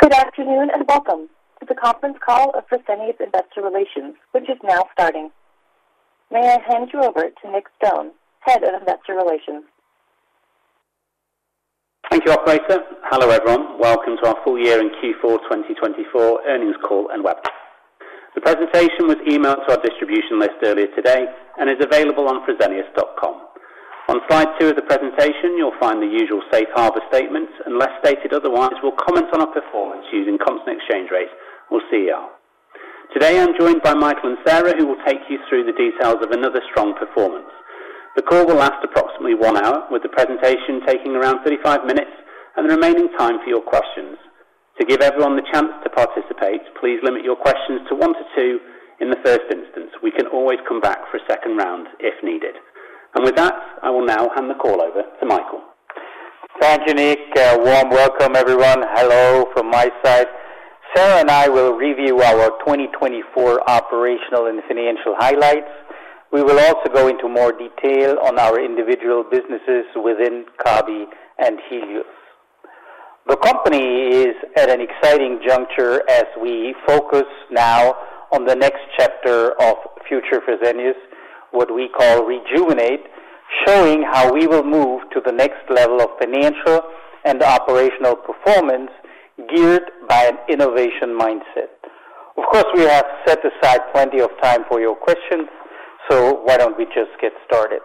Good afternoon and welcome to the conference call of Fresenius Investor Relations, which is now starting. May I hand you over to Nick Stone, Head of Investor Relations? Thank you, operator. Hello, everyone. Welcome to our Full Year and Q4 2024 Earnings Call and Webinar. The presentation was emailed to our distribution list earlier today and is available on fresenius.com. On slide two of the presentation, you'll find the usual safe harbor statements, and unless stated otherwise, we'll comment on our performance using constant exchange rates or CER. Today, I'm joined by Michael and Sara, who will take you through the details of another strong performance. The call will last approximately one hour, with the presentation taking around 35 minutes and the remaining time for your questions. To give everyone the chance to participate, please limit your questions to one to two in the first instance. We can always come back for a second round if needed, and with that, I will now hand the call over to Michael. Thanks, Yan Li. Warm welcome, everyone. Hello from my side. Sara and I will review our 2024 operational and financial highlights. We will also go into more detail on our individual businesses within Kabi and Helios. The company is at an exciting juncture as we focus now on the next chapter of #FutureFresenius, what we call Rejuvenate, showing how we will move to the next level of financial and operational performance geared by an innovation mindset. Of course, we have set aside plenty of time for your questions, so why don't we just get started?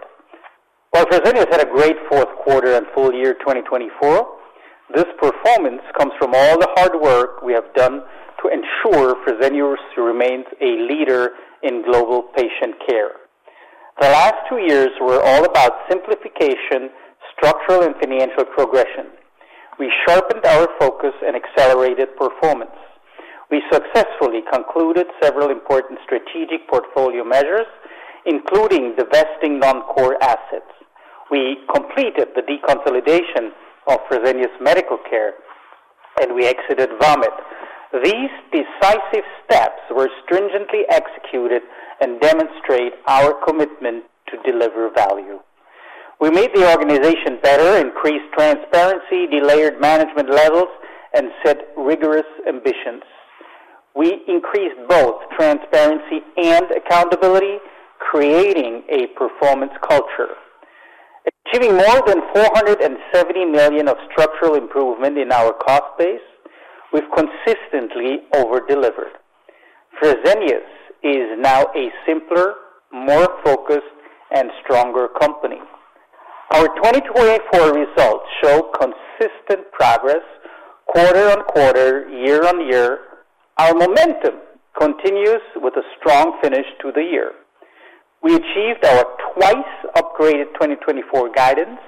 Fresenius had a great fourth quarter and full year 2024. This performance comes from all the hard work we have done to ensure Fresenius remains a leader in global patient care. The last two years were all about simplification, structural, and financial progression. We sharpened our focus and accelerated performance. We successfully concluded several important strategic portfolio measures, including divesting non-core assets. We completed the deconsolidation of Fresenius Medical Care, and we exited Vamed. These decisive steps were stringently executed and demonstrate our commitment to deliver value. We made the organization better, increased transparency, delayered management levels, and set rigorous ambitions. We increased both transparency and accountability, creating a performance culture. Achieving more than 470 million of structural improvement in our cost base, we've consistently overdelivered. Fresenius is now a simpler, more focused, and stronger company. Our 2024 results show consistent progress quarter on quarter, year on year. Our momentum continues with a strong finish to the year. We achieved our twice-upgraded 2024 guidance,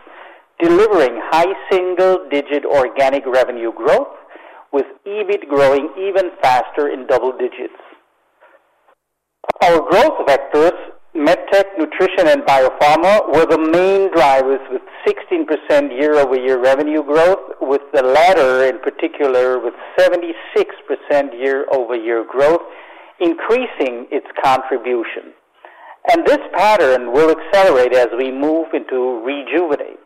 delivering high single-digit organic revenue growth, with EBIT growing even faster in double digits. Our growth vectors, MedTech, Nutrition, and Biopharma, were the main drivers with 16% year-over-year revenue growth, with the latter, in particular, with 76% year-over-year growth, increasing its contribution. And this pattern will accelerate as we move into rejuvenate.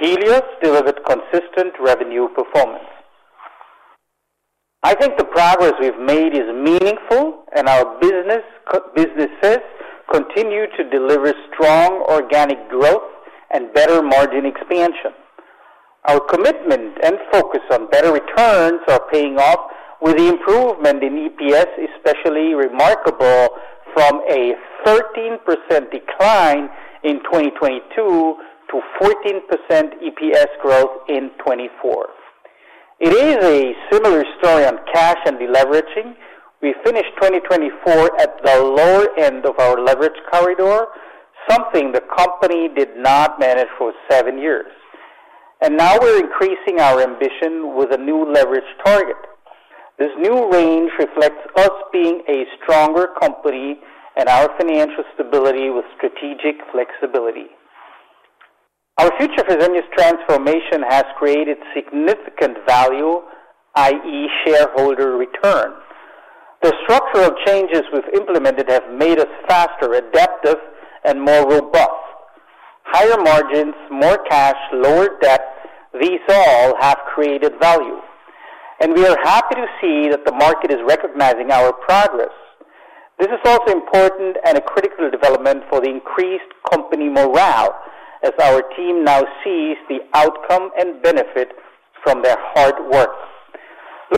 Helios delivered consistent revenue performance. I think the progress we've made is meaningful, and our businesses continue to deliver strong organic growth and better margin expansion. Our commitment and focus on better returns are paying off, with the improvement in EPS especially remarkable from a 13% decline in 2022 to 14% EPS growth in 2024. It is a similar story on cash and deleveraging. We finished 2024 at the lower end of our leverage corridor, something the company did not manage for seven years. And now we're increasing our ambition with a new leverage target. This new range reflects us being a stronger company and our financial stability with strategic flexibility. Our #FutureFresenius transformation has created significant value, i.e., shareholder return. The structural changes we've implemented have made us faster, adaptive, and more robust. Higher margins, more cash, lower debt. These all have created value, and we are happy to see that the market is recognizing our progress. This is also important and a critical development for the increased company morale, as our team now sees the outcome and benefit from their hard work.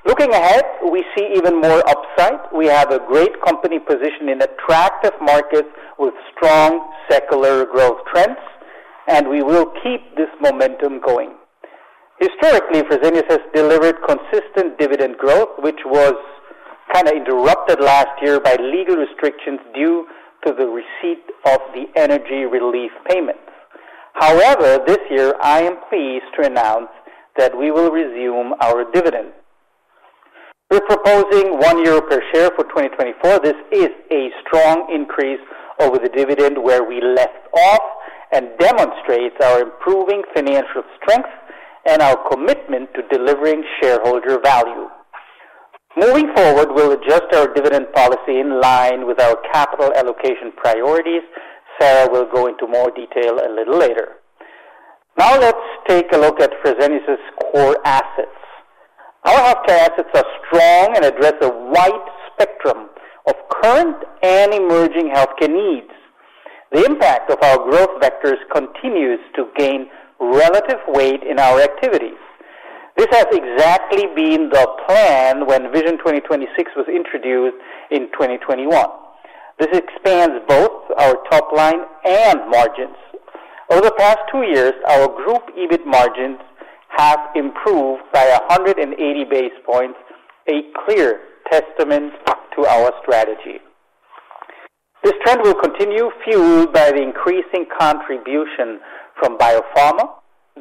Looking ahead, we see even more upside. We have a great company position in attractive markets with strong secular growth trends, and we will keep this momentum going. Historically, Fresenius has delivered consistent dividend growth, which was kind of interrupted last year by legal restrictions due to the receipt of the energy relief payments. However, this year, I am pleased to announce that we will resume our dividend. We're proposing 1 euro per share for 2024. This is a strong increase over the dividend where we left off and demonstrates our improving financial strength and our commitment to delivering shareholder value. Moving forward, we'll adjust our dividend policy in line with our capital allocation priorities. Sara will go into more detail a little later. Now, let's take a look at Fresenius's core assets. Our healthcare assets are strong and address a wide spectrum of current and emerging healthcare needs. The impact of our growth vectors continues to gain relative weight in our activities. This has exactly been the plan when Vision 2026 was introduced in 2021. This expands both our top line and margins. Over the past two years, our group EBIT margins have improved by 180 basis points, a clear testament to our strategy. This trend will continue, fueled by the increasing contribution from Biopharma,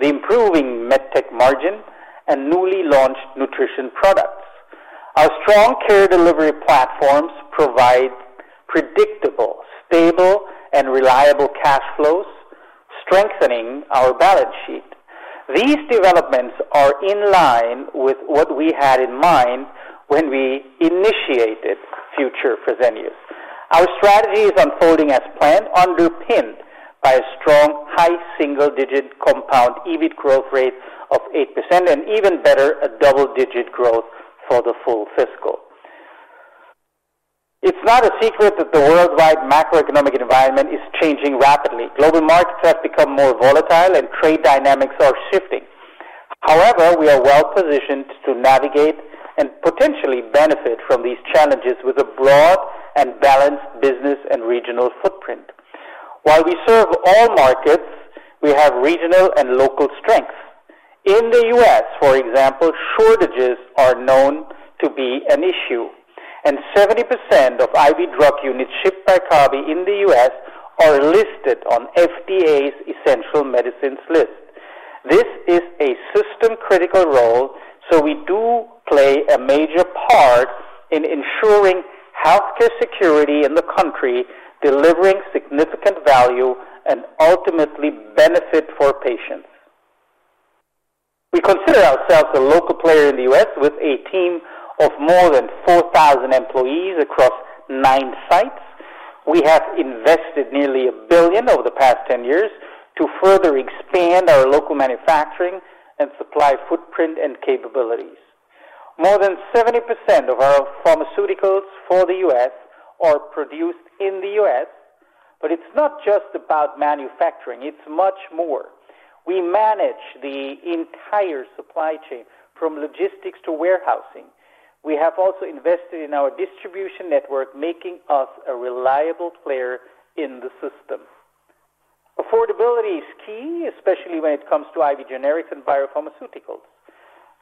the improving MedTech margin, and newly launched Nutrition products. Our strong care delivery platforms provide predictable, stable, and reliable cash flows, strengthening our balance sheet. These developments are in line with what we had in mind when we initiated #FutureFresenius. Our strategy is unfolding as planned, underpinned by a strong, high single-digit compound EBIT growth rate of 8%, and even better, a double-digit growth for the full fiscal. It's not a secret that the worldwide macroeconomic environment is changing rapidly. Global markets have become more volatile, and trade dynamics are shifting. However, we are well-positioned to navigate and potentially benefit from these challenges with a broad and balanced business and regional footprint. While we serve all markets, we have regional and local strengths. In the U.S., for example, shortages are known to be an issue, and 70% of IV drug units shipped by Kabi in the U.S. are listed on FDA's essential medicines list. This is a system-critical role, so we do play a major part in ensuring healthcare security in the country, delivering significant value and ultimately benefit for patients. We consider ourselves a local player in the U.S. with a team of more than 4,000 employees across nine sites. We have invested nearly 1 billion over the past 10 years to further expand our local manufacturing and supply footprint and capabilities. More than 70% of our pharmaceuticals for the U.S. are produced in the U.S., but it's not just about manufacturing. It's much more. We manage the entire supply chain, from logistics to warehousing. We have also invested in our distribution network, making us a reliable player in the system. Affordability is key, especially when it comes to IV generics and biopharmaceuticals.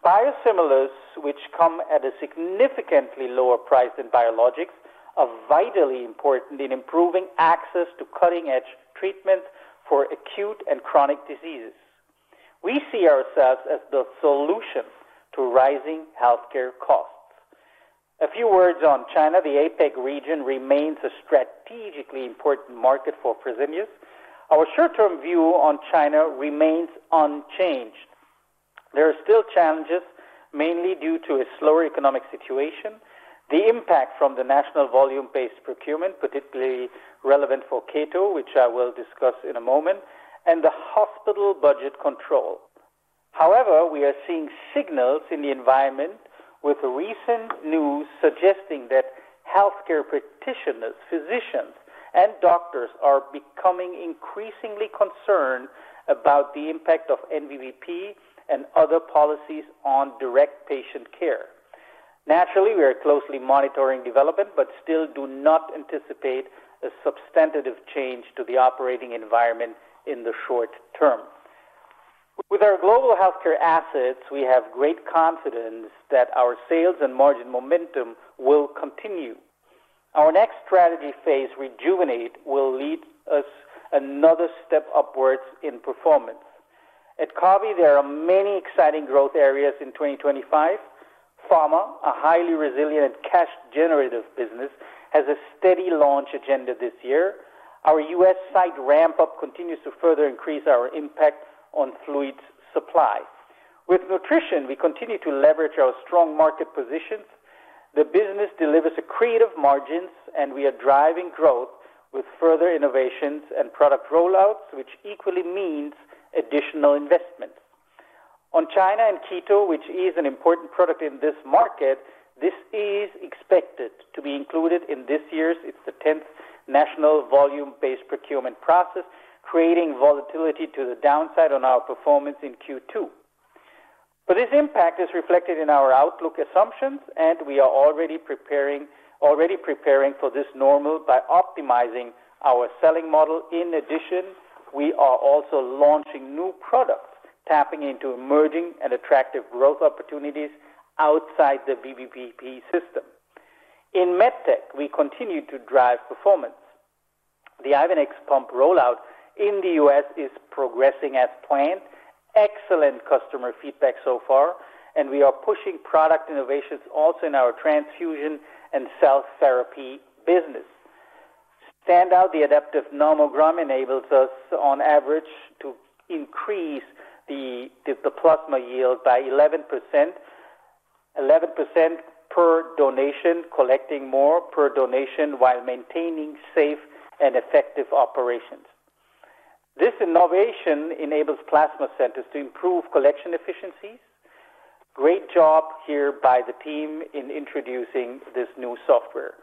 Biosimilars, which come at a significantly lower price than biologics, are vitally important in improving access to cutting-edge treatment for acute and chronic diseases. We see ourselves as the solution to rising healthcare costs. A few words on China. The APAC region remains a strategically important market for Fresenius. Our short-term view on China remains unchanged. There are still challenges, mainly due to a slower economic situation, the impact from the national volume-based procurement, particularly relevant for Keto, which I will discuss in a moment, and the hospital budget control. However, we are seeing signals in the environment with recent news suggesting that healthcare practitioners, physicians, and doctors are becoming increasingly concerned about the impact of NVBP and other policies on direct patient care. Naturally, we are closely monitoring development, but still do not anticipate a substantive change to the operating environment in the short term. With our global healthcare assets, we have great confidence that our sales and margin momentum will continue. Our next strategy phase, Rejuvenate, will lead us another step upwards in performance. At Kabi, there are many exciting growth areas in 2025. Pharma, a highly resilient and cash-generative business, has a steady launch agenda this year. Our U.S. site ramp-up continues to further increase our impact on fluid supply. With Nutrition, we continue to leverage our strong market positions. The business delivers a creative margin, and we are driving growth with further innovations and product rollouts, which equally means additional investments. On China and Keto, which is an important product in this market, this is expected to be included in this year's (it's the 10th national volume-based procurement process) creating volatility to the downside on our performance in Q2. This impact is reflected in our outlook assumptions, and we are already preparing for this normal by optimizing our selling model. In addition, we are also launching new products, tapping into emerging and attractive growth opportunities outside the VBP system. In MedTech, we continue to drive performance. The Ivenix pump rollout in the U.S. is progressing as planned. Excellent customer feedback so far, and we are pushing product innovations also in our Transfusion and Cell Therapy business. A standout, the Adaptive Nomogram enables us, on average, to increase the plasma yield by 11% per donation, collecting more per donation while maintaining safe and effective operations. This innovation enables plasma centers to improve collection efficiencies. Great job here by the team in introducing this new software.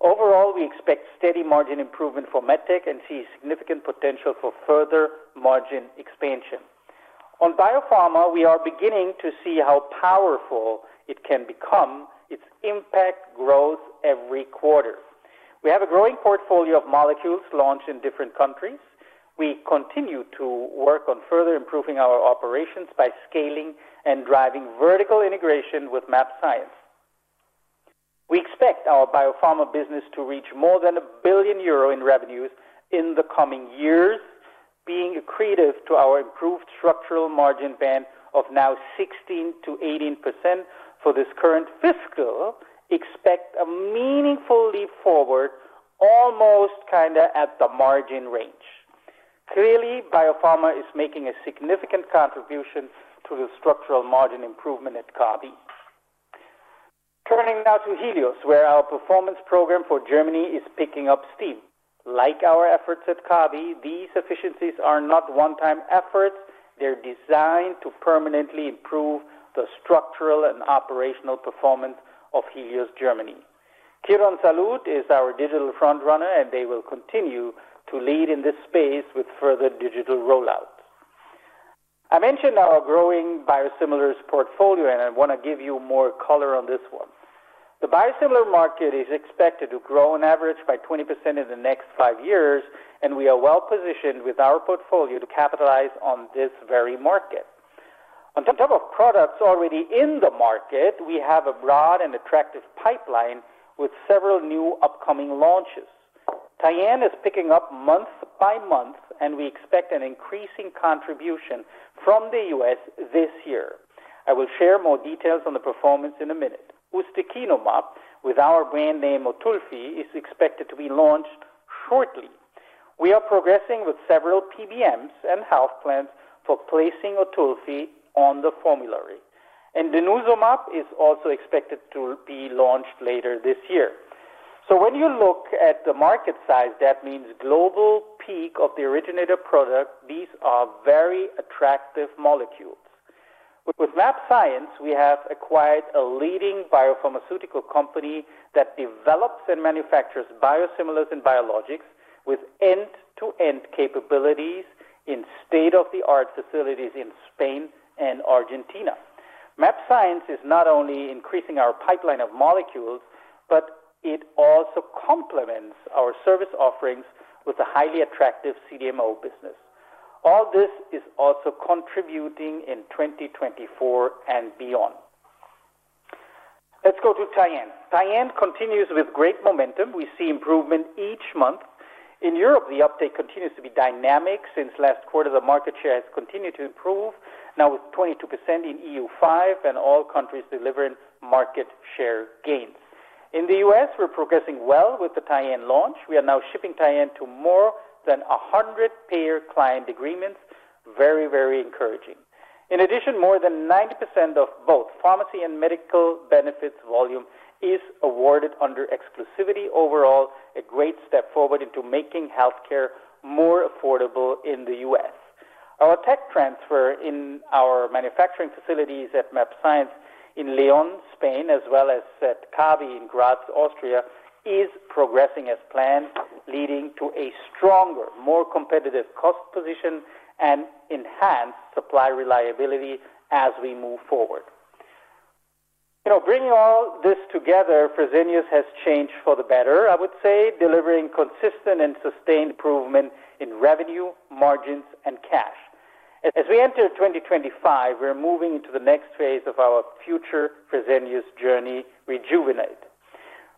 Overall, we expect steady margin improvement for MedTech and see significant potential for further margin expansion. On Biopharma, we are beginning to see how powerful it can become. Its impact grows every quarter. We have a growing portfolio of molecules launched in different countries. We continue to work on further improving our operations by scaling and driving vertical integration with mAbxience. We expect our Biopharma business to reach more than 1 billion euro in revenues in the coming years. Being attributed to our improved structural margin band of now 16%-18% for this current fiscal, we expect a meaningful leap forward, almost kind of at the margin range. Clearly, Biopharma is making a significant contribution to the structural margin improvement at Kabi. Turning now to Helios, where our performance program for Germany is picking up steam. Like our efforts at Kabi, these efficiencies are not one-time efforts. They are designed to permanently improve the structural and operational performance of Helios Germany. Quirónsalud is our digital front-runner, and they will continue to lead in this space with further digital rollouts. I mentioned our growing biosimilars portfolio, and I want to give you more color on this one. The Biosimilar market is expected to grow on average by 20% in the next five years, and we are well-positioned with our portfolio to capitalize on this very market. On top of products already in the market, we have a broad and attractive pipeline with several new upcoming launches. Tyenne is picking up month by month, and we expect an increasing contribution from the U.S. this year. I will share more details on the performance in a minute. Ustekinumab, with our brand name Otulfi, is expected to be launched shortly. We are progressing with several PBMs and health plans for placing Otulfi on the formulary. And denosumab is also expected to be launched later this year. So when you look at the market size, that means global peak of the originator product. These are very attractive molecules. With mAbxience, we have acquired a leading biopharmaceutical company that develops and manufactures biosimilars and biologics with end-to-end capabilities in state-of-the-art facilities in Spain and Argentina. mAbxience is not only increasing our pipeline of molecules, but it also complements our service offerings with a highly attractive CDMO business. All this is also contributing in 2024 and beyond. Let's go to Tyenne. Tyenne continues with great momentum. We see improvement each month. In Europe, the uptake continues to be dynamic. Since last quarter, the market share has continued to improve, now with 22% in EU5 and all countries delivering market share gains. In the U.S., we're progressing well with the Tyenne launch. We are now shipping Tyenne to more than 100 payer client agreements. Very, very encouraging. In addition, more than 90% of both pharmacy and medical benefits volume is awarded under exclusivity. Overall, a great step forward into making healthcare more affordable in the U.S. Our tech transfer in our manufacturing facilities at mAbxience in León, Spain, as well as at Kabi in Graz, Austria, is progressing as planned, leading to a stronger, more competitive cost position and enhanced supply reliability as we move forward. Bringing all this together, Fresenius has changed for the better, I would say, delivering consistent and sustained improvement in revenue, margins, and cash. As we enter 2025, we're moving into the next phase of our #FutureFresenius journey, Rejuvenate.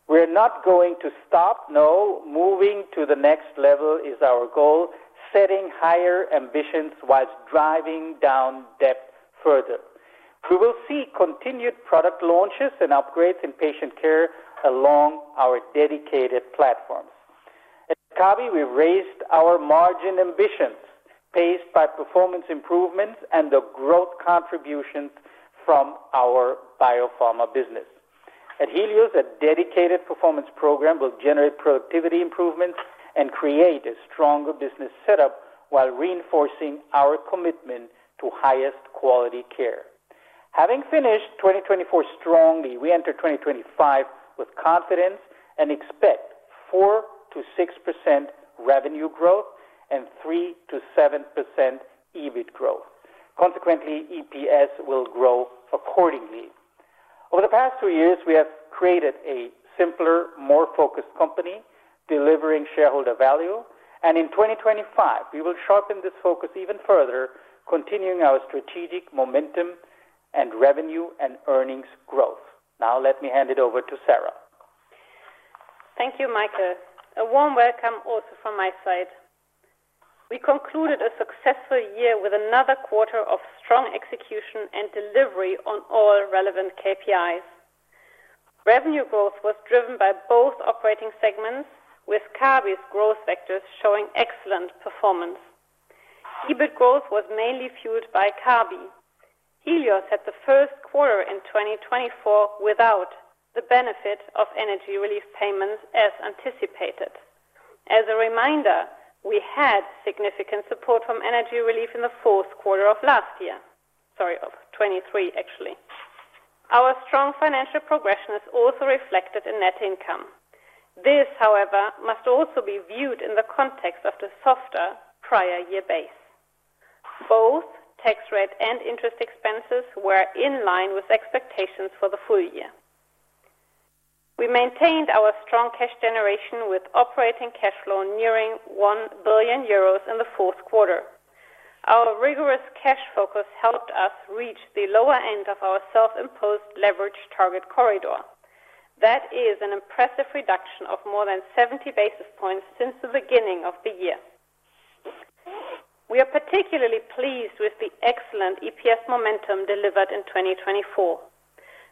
We're not going to stop, no. Moving to the next level is our goal, setting higher ambitions while driving down debt further. We will see continued product launches and upgrades in patient care along our dedicated platforms. At Kabi, we've raised our margin ambitions, paced by performance improvements and the growth contributions from our Biopharma business. At Helios, a dedicated performance program will generate productivity improvements and create a stronger business setup while reinforcing our commitment to highest quality care. Having finished 2024 strongly, we enter 2025 with confidence and expect 4%-6% revenue growth and 3%-7% EBIT growth. Consequently, EPS will grow accordingly. Over the past two years, we have created a simpler, more focused company delivering shareholder value. In 2025, we will sharpen this focus even further, continuing our strategic momentum and revenue and earnings growth. Now, let me hand it over to Sara. Thank you, Michael. A warm welcome also from my side. We concluded a successful year with another quarter of strong execution and delivery on all relevant KPIs. Revenue growth was driven by both operating segments, with Kabi's growth vectors showing excellent performance. EBIT growth was mainly fueled by Kabi. Helios had the first quarter in 2024 without the benefit of energy relief payments as anticipated. As a reminder, we had significant support from energy relief in the fourth quarter of last year. Sorry, of 2023, actually. Our strong financial progression is also reflected in net income. This, however, must also be viewed in the context of the softer prior year base. Both tax rate and interest expenses were in line with expectations for the full year. We maintained our strong cash generation with operating cash flow nearing 1 billion euros in the fourth quarter. Our rigorous cash focus helped us reach the lower end of our self-imposed leverage target corridor. That is an impressive reduction of more than 70 basis points since the beginning of the year. We are particularly pleased with the excellent EPS momentum delivered in 2024.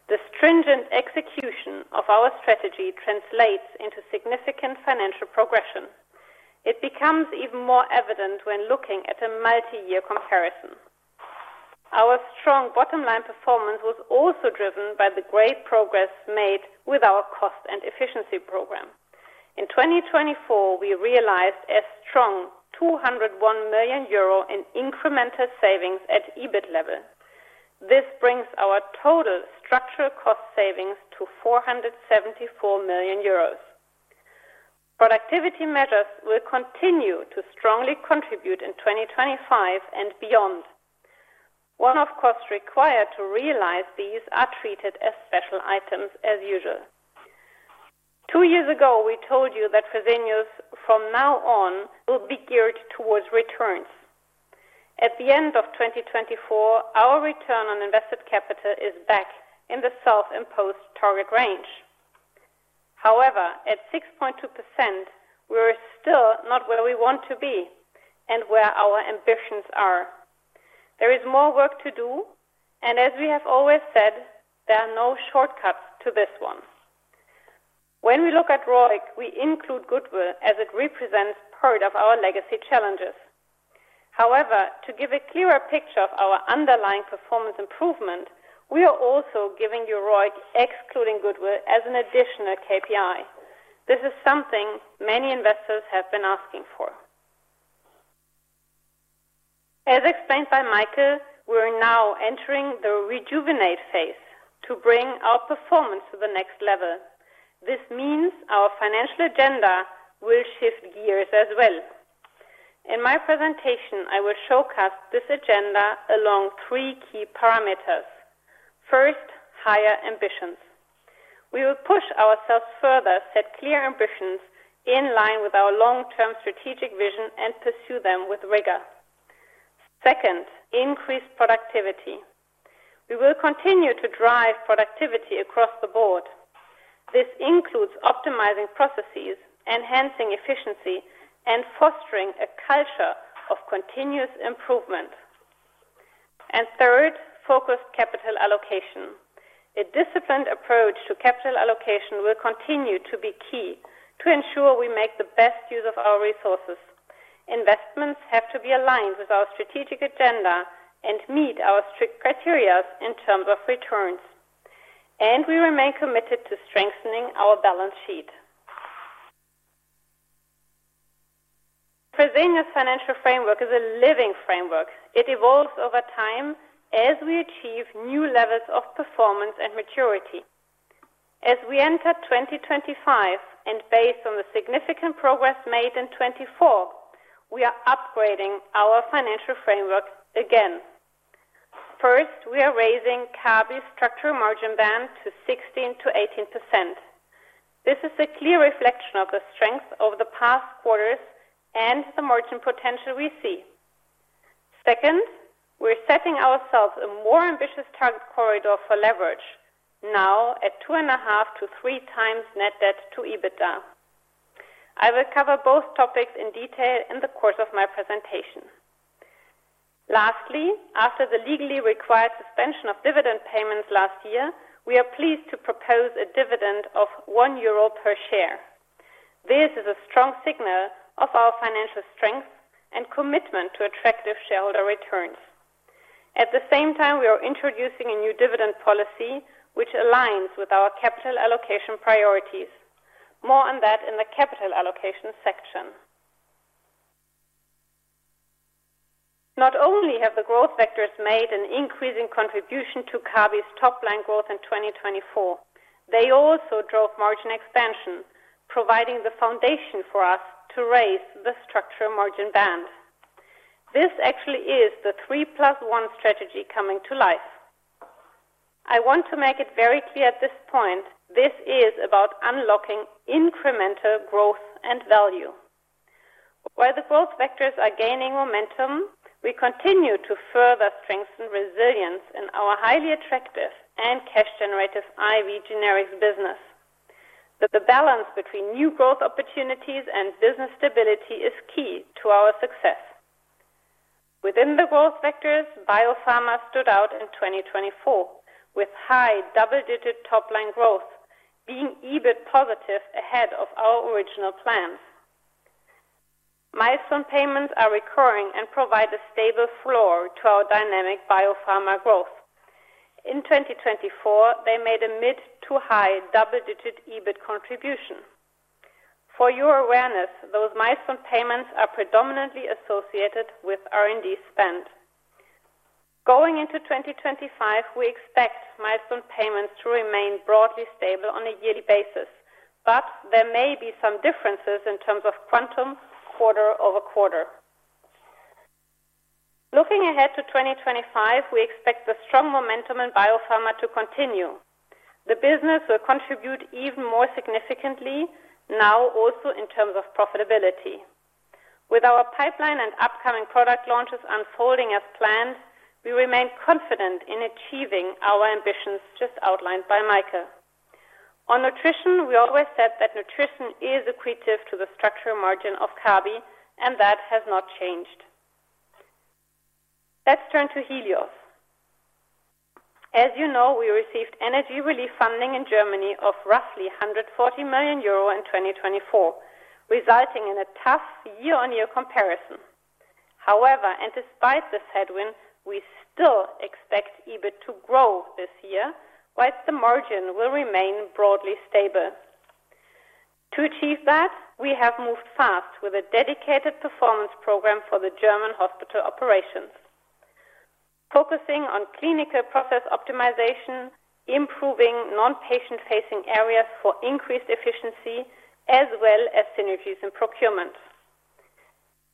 The stringent execution of our strategy translates into significant financial progression. It becomes even more evident when looking at a multi-year comparison. Our strong bottom-line performance was also driven by the great progress made with our cost and efficiency program. In 2024, we realized a strong 201 million euro in incremental savings at EBIT level. This brings our total structural cost savings to 474 million euros. Productivity measures will continue to strongly contribute in 2025 and beyond. One of the costs required to realize these are treated as special items, as usual. Two years ago, we told you that Fresenius, from now on, will be geared towards returns. At the end of 2024, our return on invested capital is back in the self-imposed target range. However, at 6.2%, we're still not where we want to be and where our ambitions are. There is more work to do, and as we have always said, there are no shortcuts to this one. When we look at ROIC, we include goodwill as it represents part of our legacy challenges. However, to give a clearer picture of our underlying performance improvement, we are also giving you ROIC excluding Goodwill as an additional KPI. This is something many investors have been asking for. As explained by Michael, we're now entering the Rejuvenate phase to bring our performance to the next level. This means our financial agenda will shift gears as well. In my presentation, I will showcase this agenda along three key parameters. First, higher ambitions. We will push ourselves further, set clear ambitions in line with our long-term strategic vision, and pursue them with rigor. Second, increased productivity. We will continue to drive productivity across the board. This includes optimizing processes, enhancing efficiency, and fostering a culture of continuous improvement. And third, focused capital allocation. A disciplined approach to capital allocation will continue to be key to ensure we make the best use of our resources. Investments have to be aligned with our strategic agenda and meet our strict criteria in terms of returns. And we remain committed to strengthening our balance sheet. Fresenius' financial framework is a living framework. It evolves over time as we achieve new levels of performance and maturity. As we enter 2025 and based on the significant progress made in 2024, we are upgrading our financial framework again. First, we are raising Kabi's structural margin band to 16%-18%. This is a clear reflection of the strength over the past quarters and the margin potential we see. Second, we're setting ourselves a more ambitious target corridor for leverage, now at two and a half to three times net debt to EBITDA. I will cover both topics in detail in the course of my presentation. Lastly, after the legally required suspension of dividend payments last year, we are pleased to propose a dividend of 1 euro per share. This is a strong signal of our financial strength and commitment to attractive shareholder returns. At the same time, we are introducing a new dividend policy, which aligns with our capital allocation priorities. More on that in the capital allocation section. Not only have the growth vectors made an increasing contribution to Kabi's top-line growth in 2024, they also drove margin expansion, providing the foundation for us to raise the structural margin band. This actually is the three plus one strategy coming to life. I want to make it very clear at this point, this is about unlocking incremental growth and value. While the growth vectors are gaining momentum, we continue to further strengthen resilience in our highly attractive and cash-generative IV generics business. The balance between new growth opportunities and business stability is key to our success. Within the growth vectors, Biopharma stood out in 2024, with high double-digit top-line growth, being EBIT positive ahead of our original plans. Milestone payments are recurring and provide a stable floor to our dynamic Biopharma growth. In 2024, they made a mid to high double-digit EBIT contribution. For your awareness, those milestone payments are predominantly associated with R&D spend. Going into 2025, we expect milestone payments to remain broadly stable on a yearly basis, but there may be some differences in terms of quantum quarter over quarter. Looking ahead to 2025, we expect the strong momentum in Biopharma to continue. The business will contribute even more significantly, now also in terms of profitability. With our pipeline and upcoming product launches unfolding as planned, we remain confident in achieving our ambitions just outlined by Michael. On Nutrition, we always said that Nutrition is equivalent to the structural margin of Kabi, and that has not changed. Let's turn to Helios. As you know, we received energy relief funding in Germany of roughly 140 million euro in 2024, resulting in a tough year-on-year comparison. However, and despite this headwind, we still expect EBIT to grow this year, while the margin will remain broadly stable. To achieve that, we have moved fast with a dedicated performance program for the German hospital operations, focusing on clinical process optimization, improving non-patient-facing areas for increased efficiency, as well as synergies in procurement.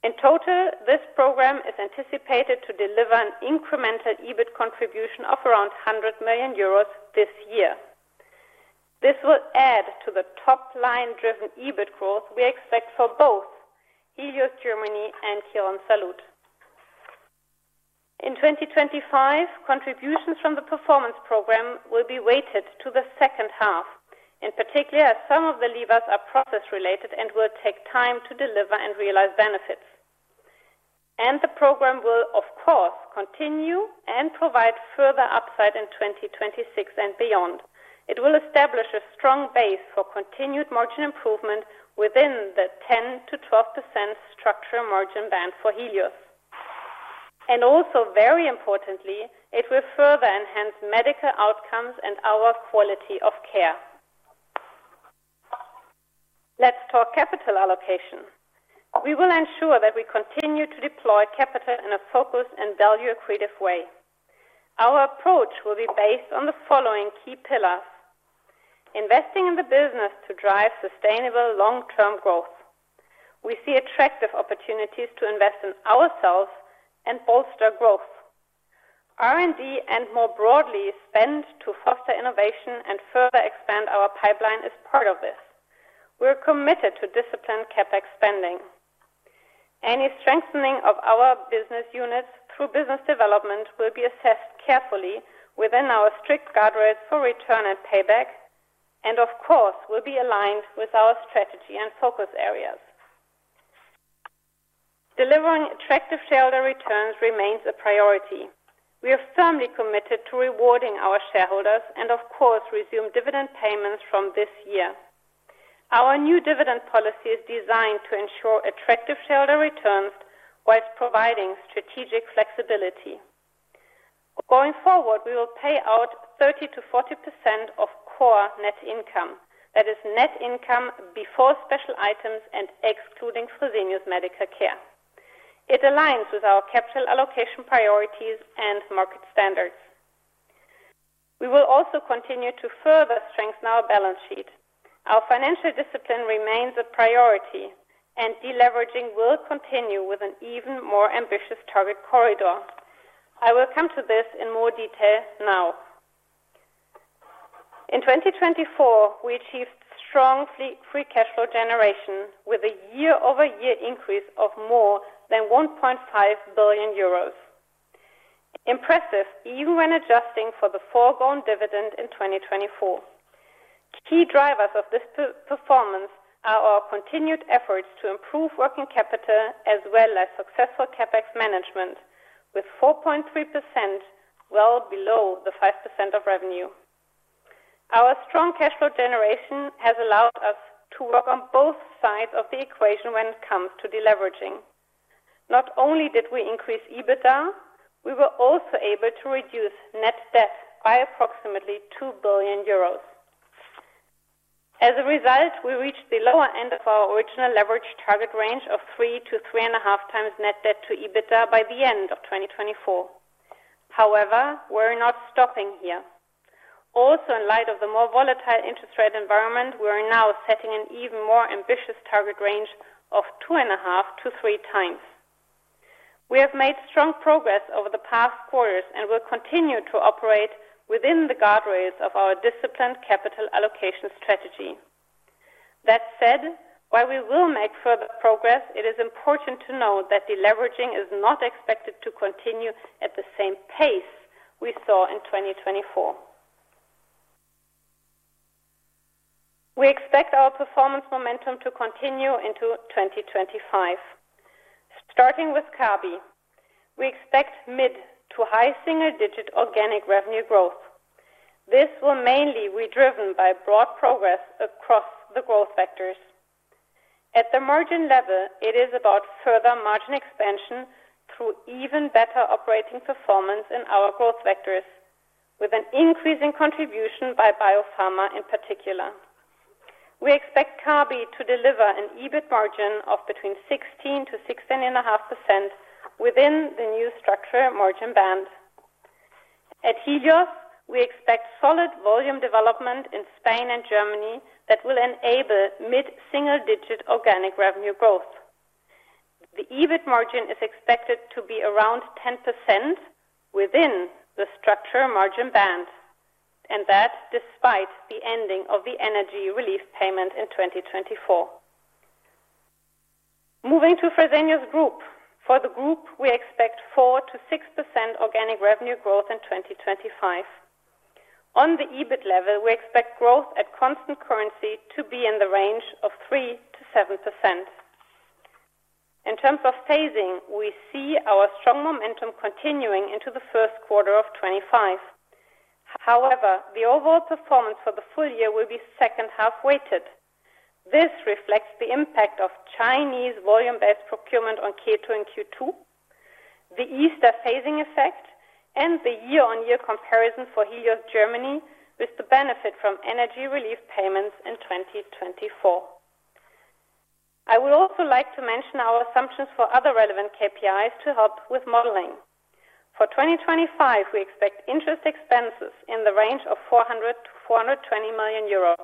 In total, this program is anticipated to deliver an incremental EBIT contribution of around 100 million euros this year. This will add to the top-line-driven EBIT growth we expect for both Helios Germany and Quirónsalud. In 2025, contributions from the performance program will be weighted to the second half, in particular as some of the levers are process-related and will take time to deliver and realize benefits. And the program will, of course, continue and provide further upside in 2026 and beyond. It will establish a strong base for continued margin improvement within the 10%-12% structural margin band for Helios. Also, very importantly, it will further enhance medical outcomes and our quality of care. Let's talk capital allocation. We will ensure that we continue to deploy capital in a focused and value-accretive way. Our approach will be based on the following key pillars: investing in the business to drive sustainable long-term growth. We see attractive opportunities to invest in ourselves and bolster growth. R&D, and more broadly, spend to foster innovation and further expand our pipeline is part of this. We're committed to disciplined CapEx spending. Any strengthening of our business units through business development will be assessed carefully within our strict guardrails for return and payback, and of course, will be aligned with our strategy and focus areas. Delivering attractive shareholder returns remains a priority. We are firmly committed to rewarding our shareholders and, of course, resume dividend payments from this year. Our new dividend policy is designed to ensure attractive shareholder returns while providing strategic flexibility. Going forward, we will pay out 30%-40% of core net income, that is, net income before special items and excluding Fresenius Medical Care. It aligns with our capital allocation priorities and market standards. We will also continue to further strengthen our balance sheet. Our financial discipline remains a priority, and deleveraging will continue with an even more ambitious target corridor. I will come to this in more detail now. In 2024, we achieved strong free cash flow generation with a year-over-year increase of more than 1.5 billion euros. Impressive, even when adjusting for the foregone dividend in 2024. Key drivers of this performance are our continued efforts to improve working capital as well as successful CapEx management, with 4.3% well below the 5% of revenue. Our strong cash flow generation has allowed us to work on both sides of the equation when it comes to deleveraging. Not only did we increase EBITDA, we were also able to reduce net debt by approximately 2 billion euros. As a result, we reached the lower end of our original leverage target range of three to three and a half times net debt to EBITDA by the end of 2024. However, we're not stopping here. Also, in light of the more volatile interest rate environment, we are now setting an even more ambitious target range of two and a half to three times. We have made strong progress over the past quarters and will continue to operate within the guardrails of our disciplined capital allocation strategy. That said, while we will make further progress, it is important to note that deleveraging is not expected to continue at the same pace we saw in 2024. We expect our performance momentum to continue into 2025. Starting with Kabi, we expect mid- to high-single-digit organic revenue growth. This will mainly be driven by broad progress across the growth vectors. At the margin level, it is about further margin expansion through even better operating performance in our growth vectors, with an increasing contribution by Biopharma in particular. We expect Kabi to deliver an EBIT margin of between 16%-16.5% within the new structural margin band. At Helios, we expect solid volume development in Spain and Germany that will enable mid-single-digit organic revenue growth. The EBIT margin is expected to be around 10% within the structural margin band, and that despite the ending of the energy relief payment in 2024. Moving to Fresenius Group. For the group, we expect 4%-6% organic revenue growth in 2025. On the EBIT level, we expect growth at constant currency to be in the range of 3%-7%. In terms of phasing, we see our strong momentum continuing into the first quarter of 2025. However, the overall performance for the full year will be second half weighted. This reflects the impact of Chinese volume-based procurement on Q1 and Q2, the Easter phasing effect, and the year-on-year comparison for Helios Germany with the benefit from energy relief payments in 2024. I would also like to mention our assumptions for other relevant KPIs to help with modeling. For 2025, we expect interest expenses in the range of 400 million-420 million euros,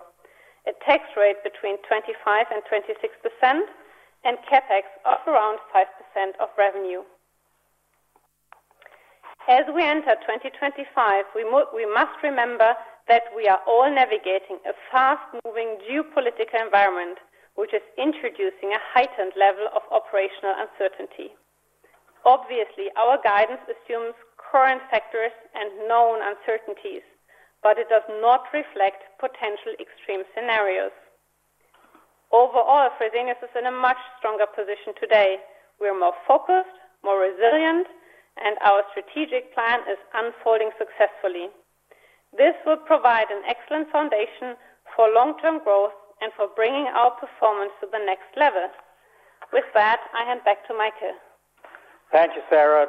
a tax rate between 25% and 26%, and CapEx of around 5% of revenue. As we enter 2025, we must remember that we are all navigating a fast-moving geopolitical environment, which is introducing a heightened level of operational uncertainty. Obviously, our guidance assumes current factors and known uncertainties, but it does not reflect potential extreme scenarios. Overall, Fresenius is in a much stronger position today. We are more focused, more resilient, and our strategic plan is unfolding successfully. This will provide an excellent foundation for long-term growth and for bringing our performance to the next level. With that, I hand back to Michael. Thank you, Sara.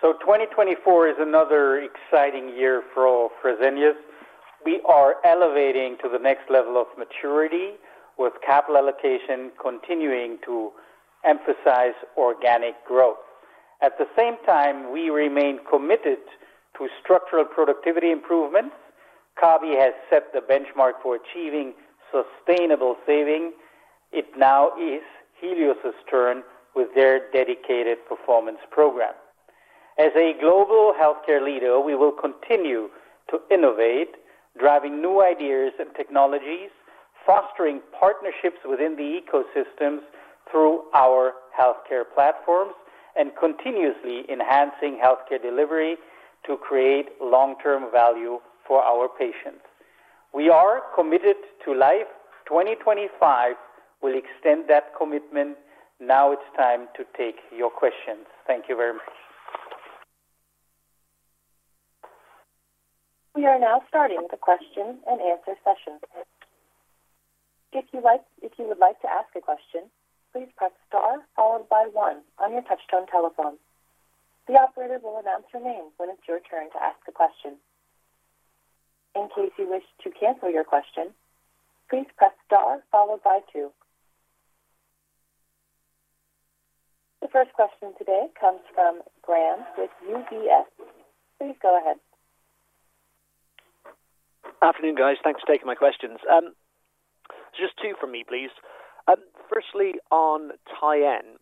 So 2024 is another exciting year for Fresenius. We are elevating to the next level of maturity, with capital allocation continuing to emphasize organic growth. At the same time, we remain committed to structural productivity improvements. Kabi has set the benchmark for achieving sustainable saving. It now is Helios's turn with their dedicated performance program. As a global healthcare leader, we will continue to innovate, driving new ideas and technologies, fostering partnerships within the ecosystems through our healthcare platforms, and continuously enhancing healthcare delivery to create long-term value for our patients. We are committed to life. 2025 will extend that commitment. Now it's time to take your questions. Thank you very much. We are now starting the question and answer session. If you would like to ask a question, please press star followed by one on your touch-tone telephone. The operator will announce your name when it's your turn to ask a question. In case you wish to cancel your question, please press star followed by two. The first question today comes from Graham with UBS. Please go ahead. Afternoon, guys. Thanks for taking my questions. Just two from me, please. Firstly, on Tyenne,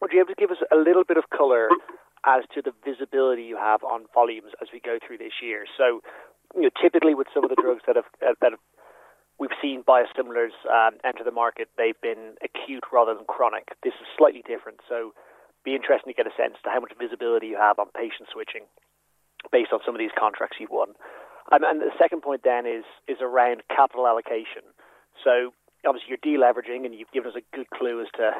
would you be able to give us a little bit of color as to the visibility you have on volumes as we go through this year? So typically, with some of the drugs that we've seen biosimilars enter the market, they've been acute rather than chronic. This is slightly different. So it'd be interesting to get a sense of how much visibility you have on patient switching based on some of these contracts you've won. And the second point then is around capital allocation. So obviously, you're deleveraging, and you've given us a good clue as to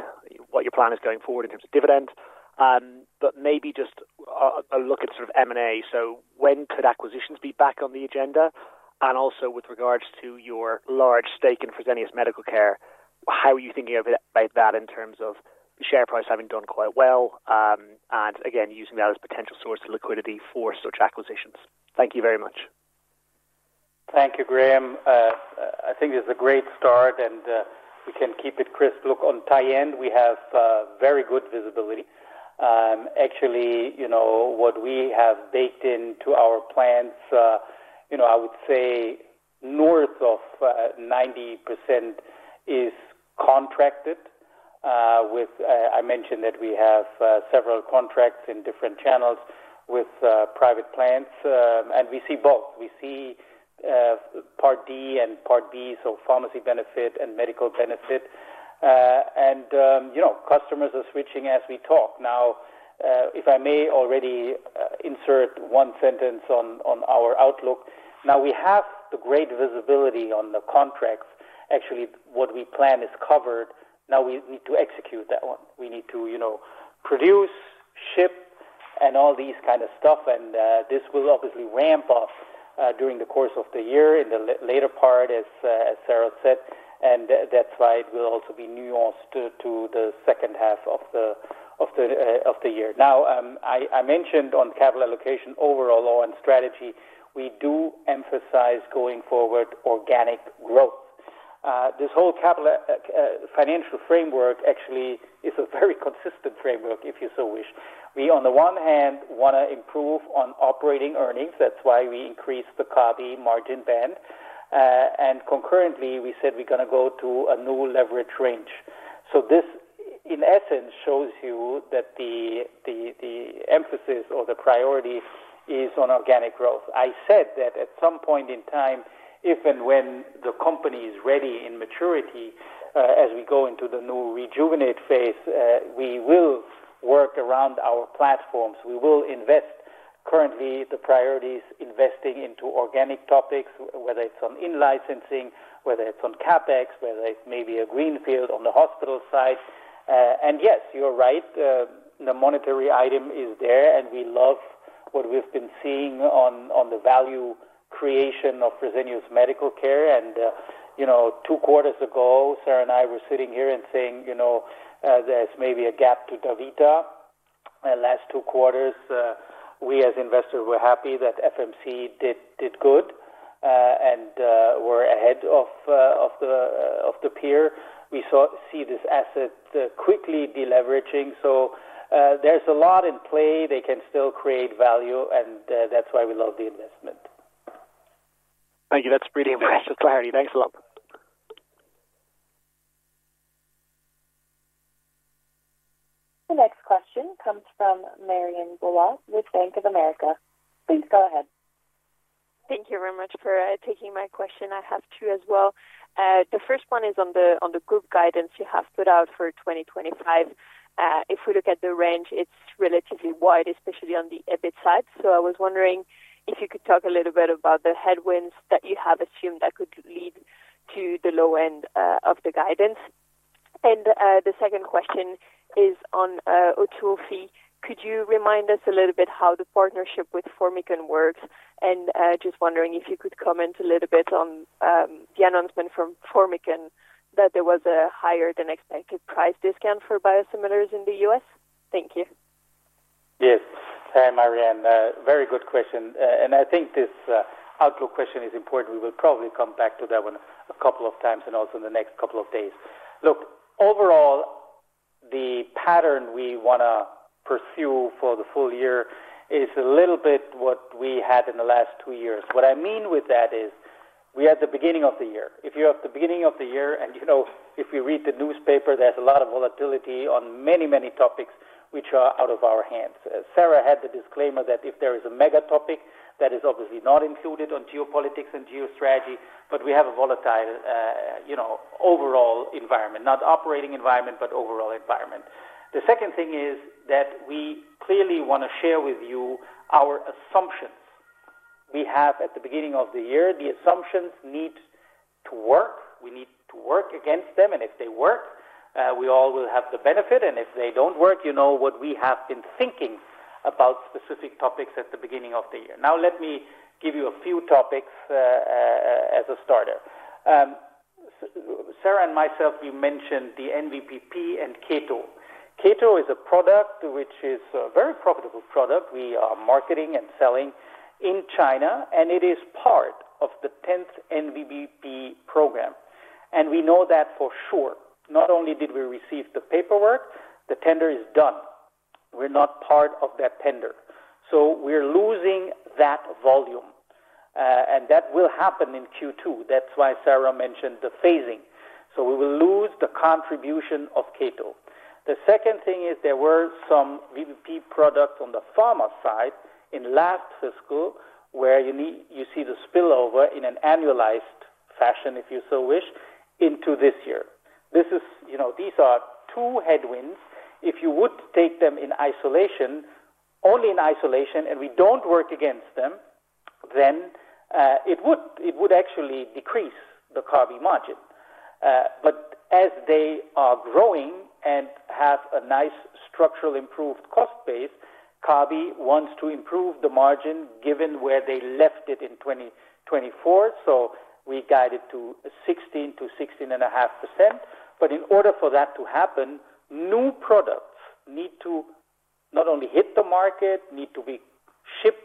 what your plan is going forward in terms of dividend. But maybe just a look at sort of M&A. When could acquisitions be back on the agenda? And also, with regards to your large stake in Fresenius Medical Care, how are you thinking about that in terms of share price having done quite well and, again, using that as a potential source of liquidity for such acquisitions? Thank you very much. Thank you, Graham. I think this is a great start, and we can keep it crisp. Look, on Tyenne, we have very good visibility. Actually, what we have baked into our plans, I would say north of 90% is contracted. I mentioned that we have several contracts in different channels with private plans. And we see both. We see Part D and Part B, so pharmacy benefit and medical benefit. And customers are switching as we talk. Now, if I may already insert one sentence on our outlook, now we have the great visibility on the contracts. Actually, what we plan is covered. Now we need to execute that one. We need to produce, ship, and all these kinds of stuff. This will obviously ramp up during the course of the year in the later part, as Sara said. That's why it will also be nuanced to the second half of the year. Now, I mentioned on capital allocation overall or on strategy, we do emphasize going forward organic growth. This whole capital financial framework actually is a very consistent framework, if you so wish. We, on the one hand, want to improve on operating earnings. That's why we increased the Kabi margin band. Concurrently, we said we're going to go to a new leverage range. This, in essence, shows you that the emphasis or the priority is on organic growth. I said that at some point in time, if and when the company is ready in maturity, as we go into the new rejuvenate phase, we will work around our platforms. We will invest. Currently, the priority is investing into organic topics, whether it's on in-licensing, whether it's on CapEx, whether it's maybe a greenfield on the hospital side. And yes, you're right. The monetary item is there, and we love what we've been seeing on the value creation of Fresenius Medical Care. And two quarters ago, Sara and I were sitting here and saying there's maybe a gap to DaVita last two quarters. We, as investors, were happy that FMC did good and were ahead of the peer. We see this asset quickly deleveraging. So there's a lot in play. They can still create value, and that's why we love the investment. Thank you. That's really impressive clarity. Thanks a lot. The next question comes from Marianne Bulot with Bank of America. Please go ahead. Thank you very much for taking my question. I have two as well. The first one is on the group guidance you have put out for 2025. If we look at the range, it's relatively wide, especially on the EBIT side. So I was wondering if you could talk a little bit about the headwinds that you have assumed that could lead to the low end of the guidance. And the second question is on Otulfi. Could you remind us a little bit how the partnership with Formycon works? And just wondering if you could comment a little bit on the announcement from Formycon that there was a higher than expected price discount for biosimilars in the U.S. Thank you. Yes. Hi, Marianne. Very good question.I think this outlook question is important. We will probably come back to that one a couple of times and also in the next couple of days. Look, overall, the pattern we want to pursue for the full year is a little bit what we had in the last two years. What I mean with that is we are at the beginning of the year. If you're at the beginning of the year and if you read the newspaper, there's a lot of volatility on many, many topics which are out of our hands. Sara had the disclaimer that if there is a mega topic, that is obviously not included on geopolitics and geostrategy, but we have a volatile overall environment, not operating environment, but overall environment. The second thing is that we clearly want to share with you our assumptions. We have, at the beginning of the year, the assumptions need to work. We need to work against them. And if they work, we all will have the benefit. And if they don't work, you know what we have been thinking about specific topics at the beginning of the year. Now, let me give you a few topics as a starter. Sara and myself, we mentioned the NVBP and Keto. Keto is a product which is a very profitable product we are marketing and selling in China, and it is part of the 10th NVBP program. And we know that for sure. Not only did we receive the paperwork, the tender is done. We're not part of that tender. So we're losing that volume. And that will happen in Q2. That's why Sara mentioned the phasing. So we will lose the contribution of Keto. The second thing is there were some VBP products on the pharma side in last fiscal where you see the spillover in an annualized fashion, if you so wish, into this year. These are two headwinds. If you would take them in isolation, only in isolation, and we don't work against them, then it would actually decrease the Kabi margin. But as they are growing and have a nice structural improved cost base, Kabi wants to improve the margin given where they left it in 2024. So we guided to 16%-16.5%. But in order for that to happen, new products need to not only hit the market, need to be shipped,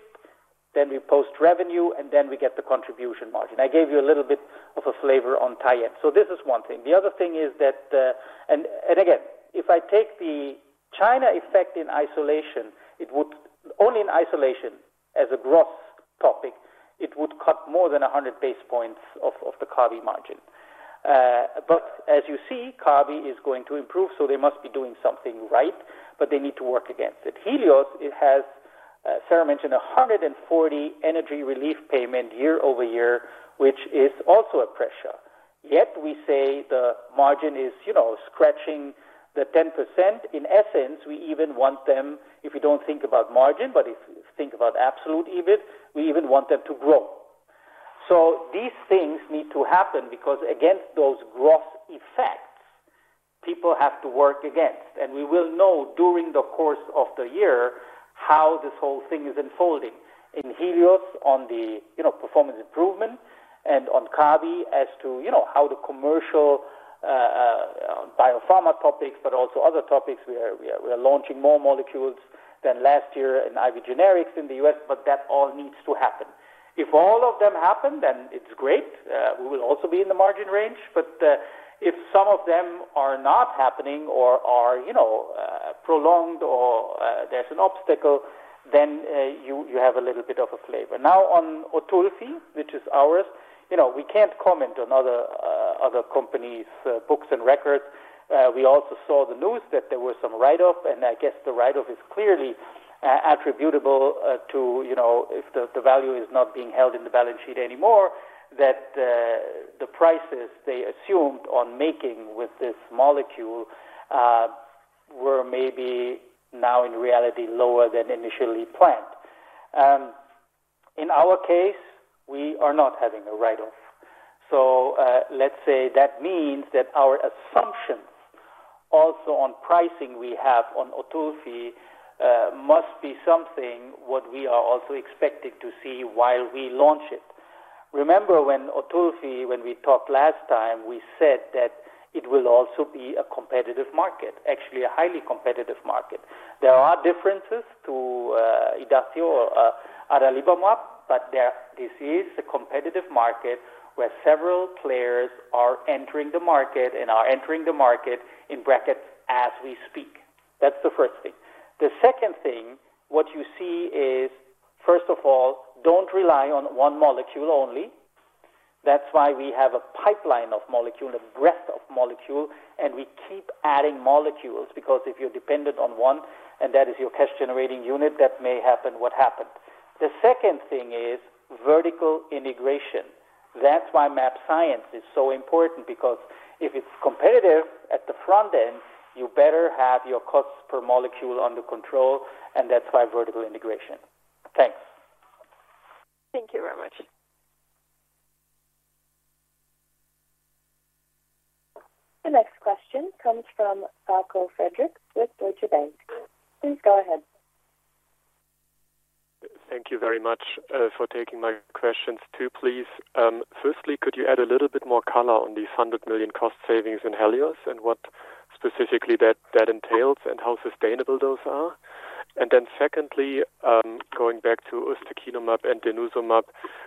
then we post revenue, and then we get the contribution margin. I gave you a little bit of a flavor on Tyenne, so this is one thing. The other thing is that, and again, if I take the China effect in isolation, only in isolation as a gross topic, it would cut more than 100 basis points of the Kabi margin. But as you see, Kabi is going to improve, so they must be doing something right, but they need to work against it. Helios, Sara mentioned, 140 energy relief payment year-over-year, which is also a pressure. Yet we say the margin is scratching the 10%. In essence, we even want them, if you don't think about margin, but if you think about absolute EBIT, we even want them to grow. So these things need to happen because, again, those gross effects, people have to work against, and we will know during the course of the year how this whole thing is unfolding. In Helios, on the performance improvement, and on Kabi as to how the commercial Biopharma topics, but also other topics, we are launching more molecules than last year in IV generics in the U.S., but that all needs to happen. If all of them happen, then it's great. We will also be in the margin range. But if some of them are not happening or are prolonged or there's an obstacle, then you have a little bit of a flavor. Now, on Otulfi, which is ours, we can't comment on other companies' books and records. We also saw the news that there were some write-offs, and I guess the write-off is clearly attributable to if the value is not being held in the balance sheet anymore, that the prices they assumed on making with this molecule were maybe now in reality lower than initially planned. In our case, we are not having a write-off. So let's say that means that our assumptions also on pricing we have on Otulfi must be something what we are also expecting to see while we launch it. Remember when Otulfi, when we talked last time, we said that it will also be a competitive market, actually a highly competitive market. There are differences to Idacio or adalimumab, but this is a competitive market where several players are entering the market and are entering the market in brackets as we speak. That's the first thing. The second thing, what you see is, first of all, don't rely on one molecule only. That's why we have a pipeline of molecules, a breadth of molecules, and we keep adding molecules because if you're dependent on one and that is your cash-generating unit, that may happen what happened. The second thing is vertical integration. That's why mAbxience is so important because if it's competitive at the front end, you better have your costs per molecule under control, and that's why vertical integration. Thanks. Thank you very much. The next question comes from Falko Friedrichs with Deutsche Bank. Please go ahead. Thank you very much for taking my questions too, please. Firstly, could you add a little bit more color on the 100 million cost savings in Helios and what specifically that entails and how sustainable those are? And then secondly, going back to ustekinumab and denosumab,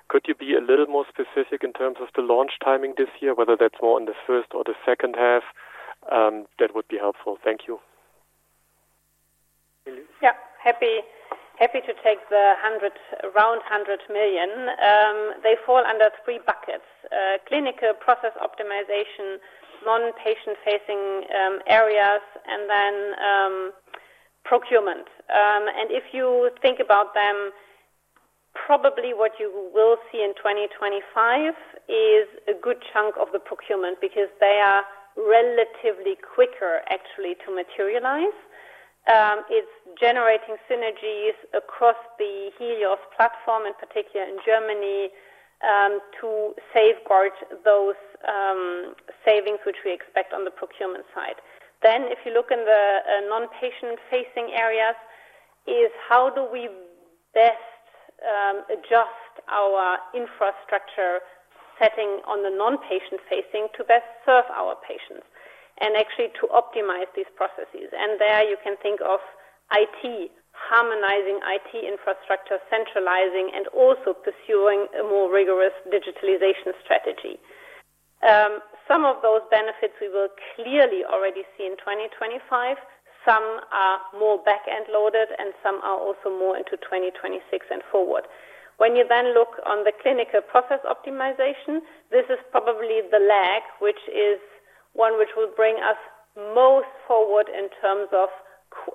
could you be a little more specific in terms of the launch timing this year, whether that's more in the first or the second half? That would be helpful. Thank you. Yep. Happy to take that 100 million. They fall under three buckets: clinical process optimization, non-patient-facing areas, and then procurement, and if you think about them, probably what you will see in 2025 is a good chunk of the procurement because they are relatively quicker, actually, to materialize. It's generating synergies across the Helios platform, in particular in Germany, to safeguard those savings which we expect on the procurement side, then if you look in the non-patient-facing areas, is how do we best adjust our infrastructure setting on the non-patient-facing to best serve our patients and actually to optimize these processes, and there you can think of IT, harmonizing IT infrastructure, centralizing, and also pursuing a more rigorous digitalization strategy. Some of those benefits we will clearly already see in 2025. Some are more back-end loaded, and some are also more into 2026 and forward. When you then look on the clinical process optimization, this is probably the lag, which is one which will bring us most forward in terms of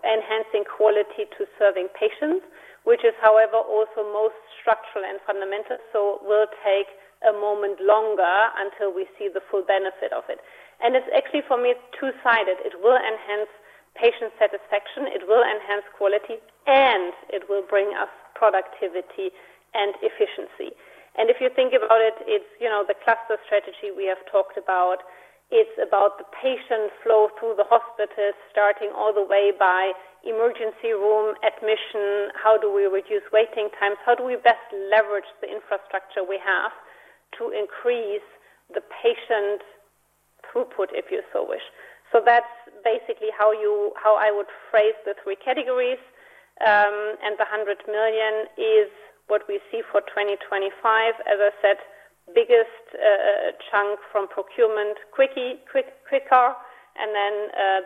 enhancing quality to serving patients, which is, however, also most structural and fundamental. So we'll take a moment longer until we see the full benefit of it. And it's actually, for me, two-sided. It will enhance patient satisfaction. It will enhance quality, and it will bring us productivity and efficiency. And if you think about it, it's the cluster strategy we have talked about. It's about the patient flow through the hospitals, starting all the way by emergency room admission. How do we reduce waiting times? How do we best leverage the infrastructure we have to increase the patient throughput, if you so wish? So that's basically how I would phrase the three categories. And the 100 million is what we see for 2025, as I said, biggest chunk from procurement, quicker, and then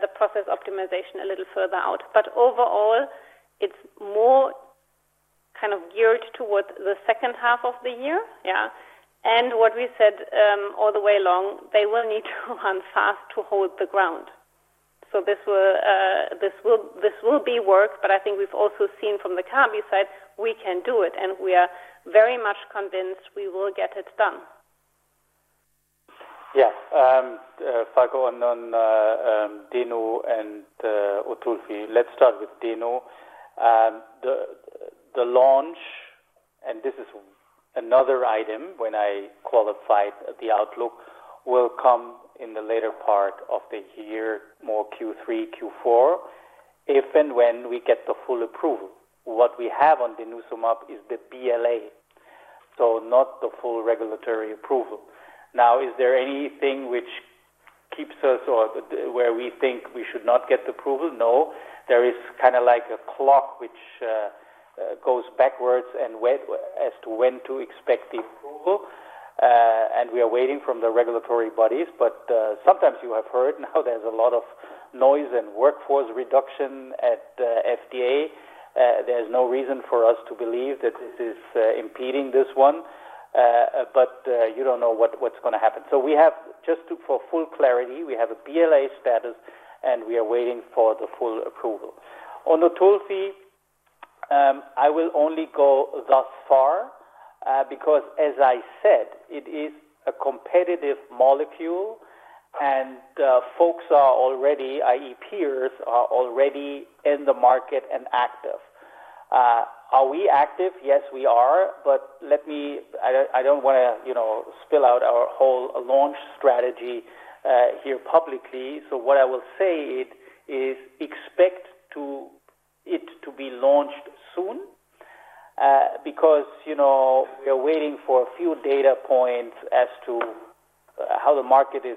the process optimization a little further out. But overall, it's more kind of geared towards the second half of the year, yeah? And what we said all the way along, they will need to run fast to hold the ground. So this will be work, but I think we've also seen from the Kabi side, we can do it, and we are very much convinced we will get it done. Yeah. Falko on deno and Otulfi. Let's start with deno. The launch, and this is another item when I qualified the outlook, will come in the later part of the year, more Q3, Q4, if and when we get the full approval. What we have on denosumab is the BLA, so not the full regulatory approval. Now, is there anything which keeps us or where we think we should not get the approval? No. There is kind of like a clock which goes backwards as to when to expect the approval. We are waiting from the regulatory bodies. But sometimes you have heard now there's a lot of noise and workforce reduction at FDA. There's no reason for us to believe that this is impeding this one. But you don't know what's going to happen. We have, just for full clarity, we have a BLA status, and we are waiting for the full approval. On Otulfi, I will only go thus far because, as I said, it is a competitive molecule, and folks are already, i.e., peers are already in the market and active. Are we active? Yes, we are. But I don't want to spill out our whole launch strategy here publicly. So what I will say is expect it to be launched soon because we are waiting for a few data points as to how the market is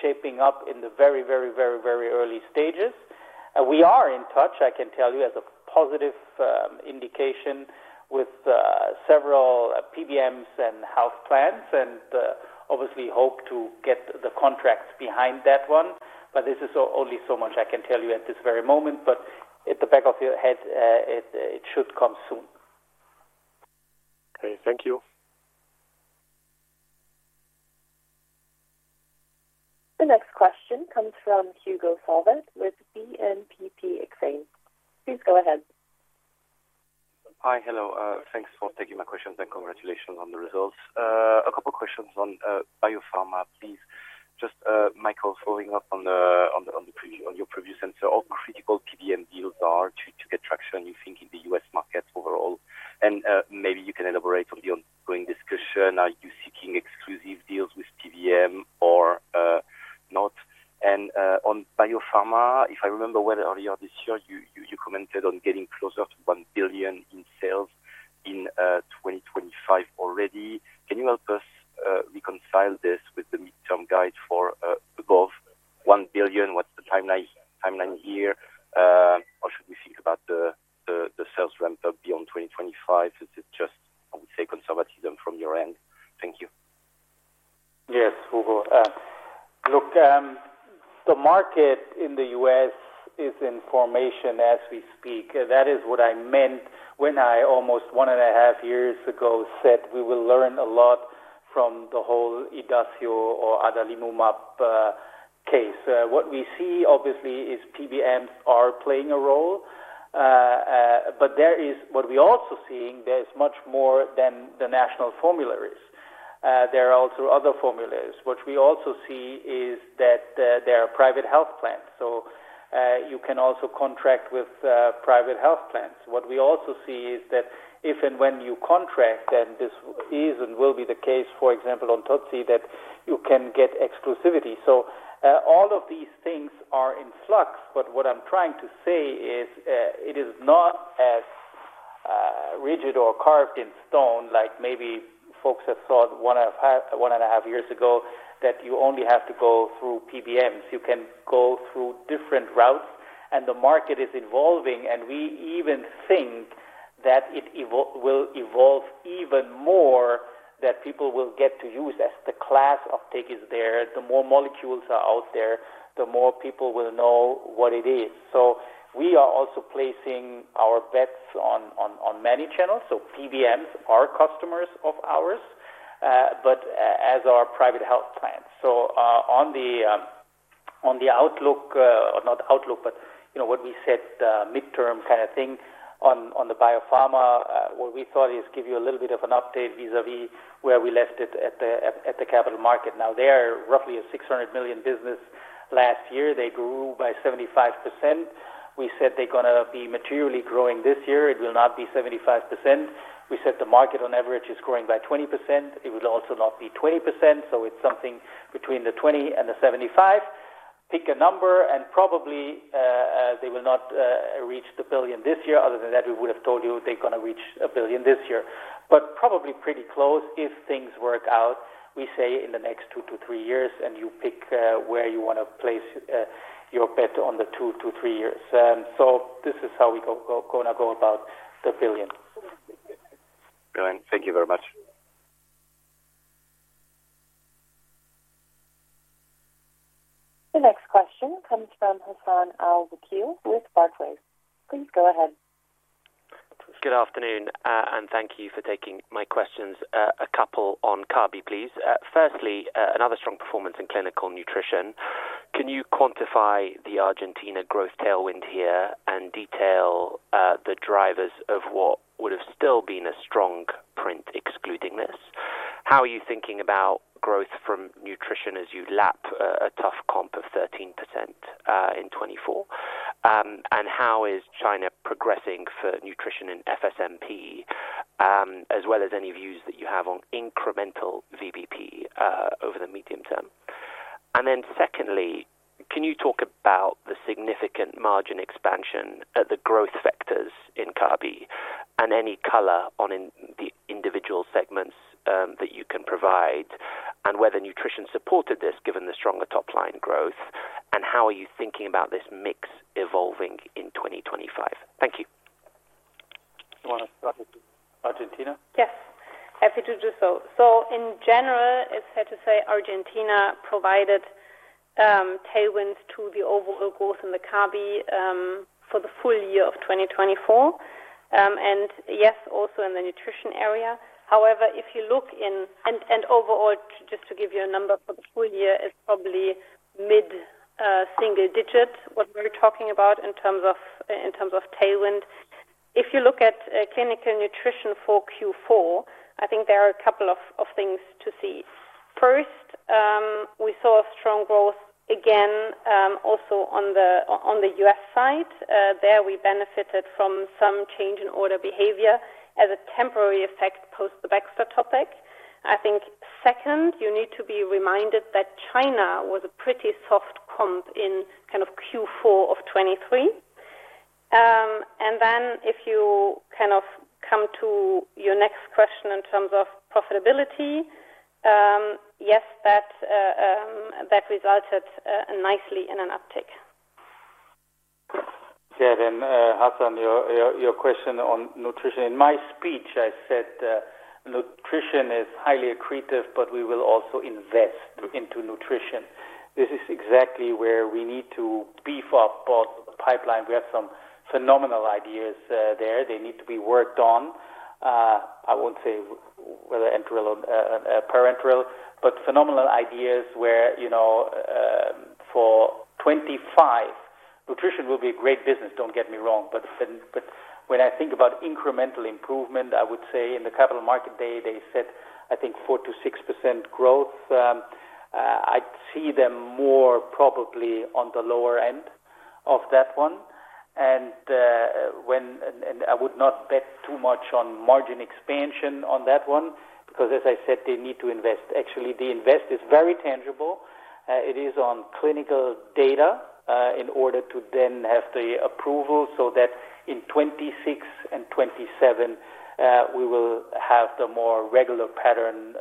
shaping up in the very, very, very, very early stages. We are in touch, I can tell you, as a positive indication with several PBMs and health plans and obviously hope to get the contracts behind that one. But this is only so much I can tell you at this very moment. But at the back of your head, it should come soon. Okay. Thank you. The next question comes from Hugo Solvet with BNP Paribas Exane. Please go ahead. Hi. Hello. Thanks for taking my questions and congratulations on the results. A couple of questions on Biopharma, please. Just Michael, following up on your previous answer, how critical PBM deals are to get traction, you think, in the U.S. market overall? And maybe you can elaborate on the ongoing discussion. Are you seeking exclusive deals with PBM or not? And on Biopharma, if I remember well earlier this year, you commented on getting closer to 1 billion in sales in 2025 already. Can you help us reconcile this with the midterm guide for above 1 billion? What's the timeline here? Or should we think about the sales ramp-up beyond 2025? Is it just, I would say, conservatism from your end? Thank you. Yes, Hugo. Look, the market in the U.S. is in formation as we speak. That is what I meant when I almost one and a half years ago said we will learn a lot from the whole Idacio or adalimumab case. What we see, obviously, is PBMs are playing a role. But what we are also seeing, there's much more than the national formulary is. There are also other formulas. What we also see is that there are private health plans. So you can also contract with private health plans. What we also see is that if and when you contract, then this is and will be the case, for example, on tocilizumab, that you can get exclusivity. So all of these things are in flux. But what I'm trying to say is it is not as rigid or carved in stone like maybe folks have thought one and a half years ago that you only have to go through PBMs. You can go through different routes, and the market is evolving, and we even think that it will evolve even more, that people will get to use as the class uptake is there. The more molecules are out there, the more people will know what it is. We are also placing our bets on many channels. PBMs are customers of ours, but as are private health plans. On the outlook, not outlook, but what we said, midterm kind of thing on the Biopharma, what we thought is give you a little bit of an update vis-à-vis where we left it at the capital market. Now, they're roughly a 600 million business last year. They grew by 75%. We said they're going to be materially growing this year. It will not be 75%. We said the market on average is growing by 20%. It will also not be 20%. It's something between the 20% and the 75%. Pick a number, and probably they will not reach 1 billion this year. Other than that, we would have told you they're going to reach 1 billion this year. But probably pretty close if things work out, we say, in the next two to three years, and you pick where you want to place your bet on the two to three years. So this is how we're going to go about the billion. Brilliant. Thank you very much. The next question comes from Hassan Al-Wakeel with Barclays. Please go ahead. Good afternoon, and thank you for taking my questions. A couple on Kabi, please. Firstly, another strong performance in Clinical Nutrition. Can you quantify the Argentina growth tailwind here and detail the drivers of what would have still been a strong print excluding this? How are you thinking about growth from Nutrition as you lap a tough comp of 13% in 2024? And how is China progressing for Nutrition in FSMP, as well as any views that you have on incremental VBP over the medium term? And then secondly, can you talk about the significant margin expansion at the growth factors in Kabi and any color on the individual segments that you can provide and whether Nutrition supported this given the stronger top-line growth? And how are you thinking about this mix evolving in 2025? Thank you. You want to start with Argentina? Yes. Happy to do so. So in general, it's fair to say Argentina provided tailwinds to the overall growth in the Kabi for the full year of 2024. And yes, also in the Nutrition area. However, and overall, just to give you a number for the full year, it's probably mid-single digit what we're talking about in terms of tailwind. If you look at Clinical Nutrition for Q4, I think there are a couple of things to see. First, we saw strong growth again also on the U.S. side. There we benefited from some change in order behavior as a temporary effect post the Baxter topic. I think second, you need to be reminded that China was a pretty soft comp in kind of Q4 of 2023. And then if you kind of come to your next question in terms of profitability, yes, that resulted nicely in an uptick. Yeah. Then, Hassan, your question on Nutrition. In my speech, I said Nutrition is highly accretive, but we will also invest into Nutrition. This is exactly where we need to beef up both the pipeline. We have some phenomenal ideas there. They need to be worked on. I won't say whether enteral or parenteral, but phenomenal ideas where for 2025, Nutrition will be a great business, don't get me wrong. But when I think about incremental improvement, I would say in the Capital Market Day, they said, I think, 4%-6% growth. I'd see them more probably on the lower end of that one. And I would not bet too much on margin expansion on that one because, as I said, they need to invest. Actually, the invest is very tangible. It is on clinical data in order to then have the approval so that in 2026 and 2027, we will have the more regular pattern,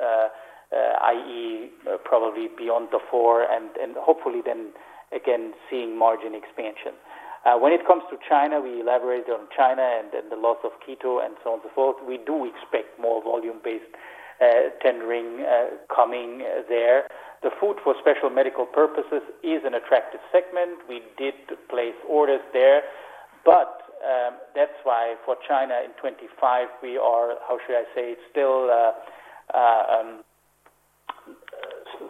i.e., probably beyond the four, and hopefully then again seeing margin expansion. When it comes to China, we elaborated on China and the loss of Keto and so on and so forth. We do expect more volume-based tendering coming there. The food for special medical purposes is an attractive segment. We did place orders there. But that's why for China in 2025, we are, how should I say, still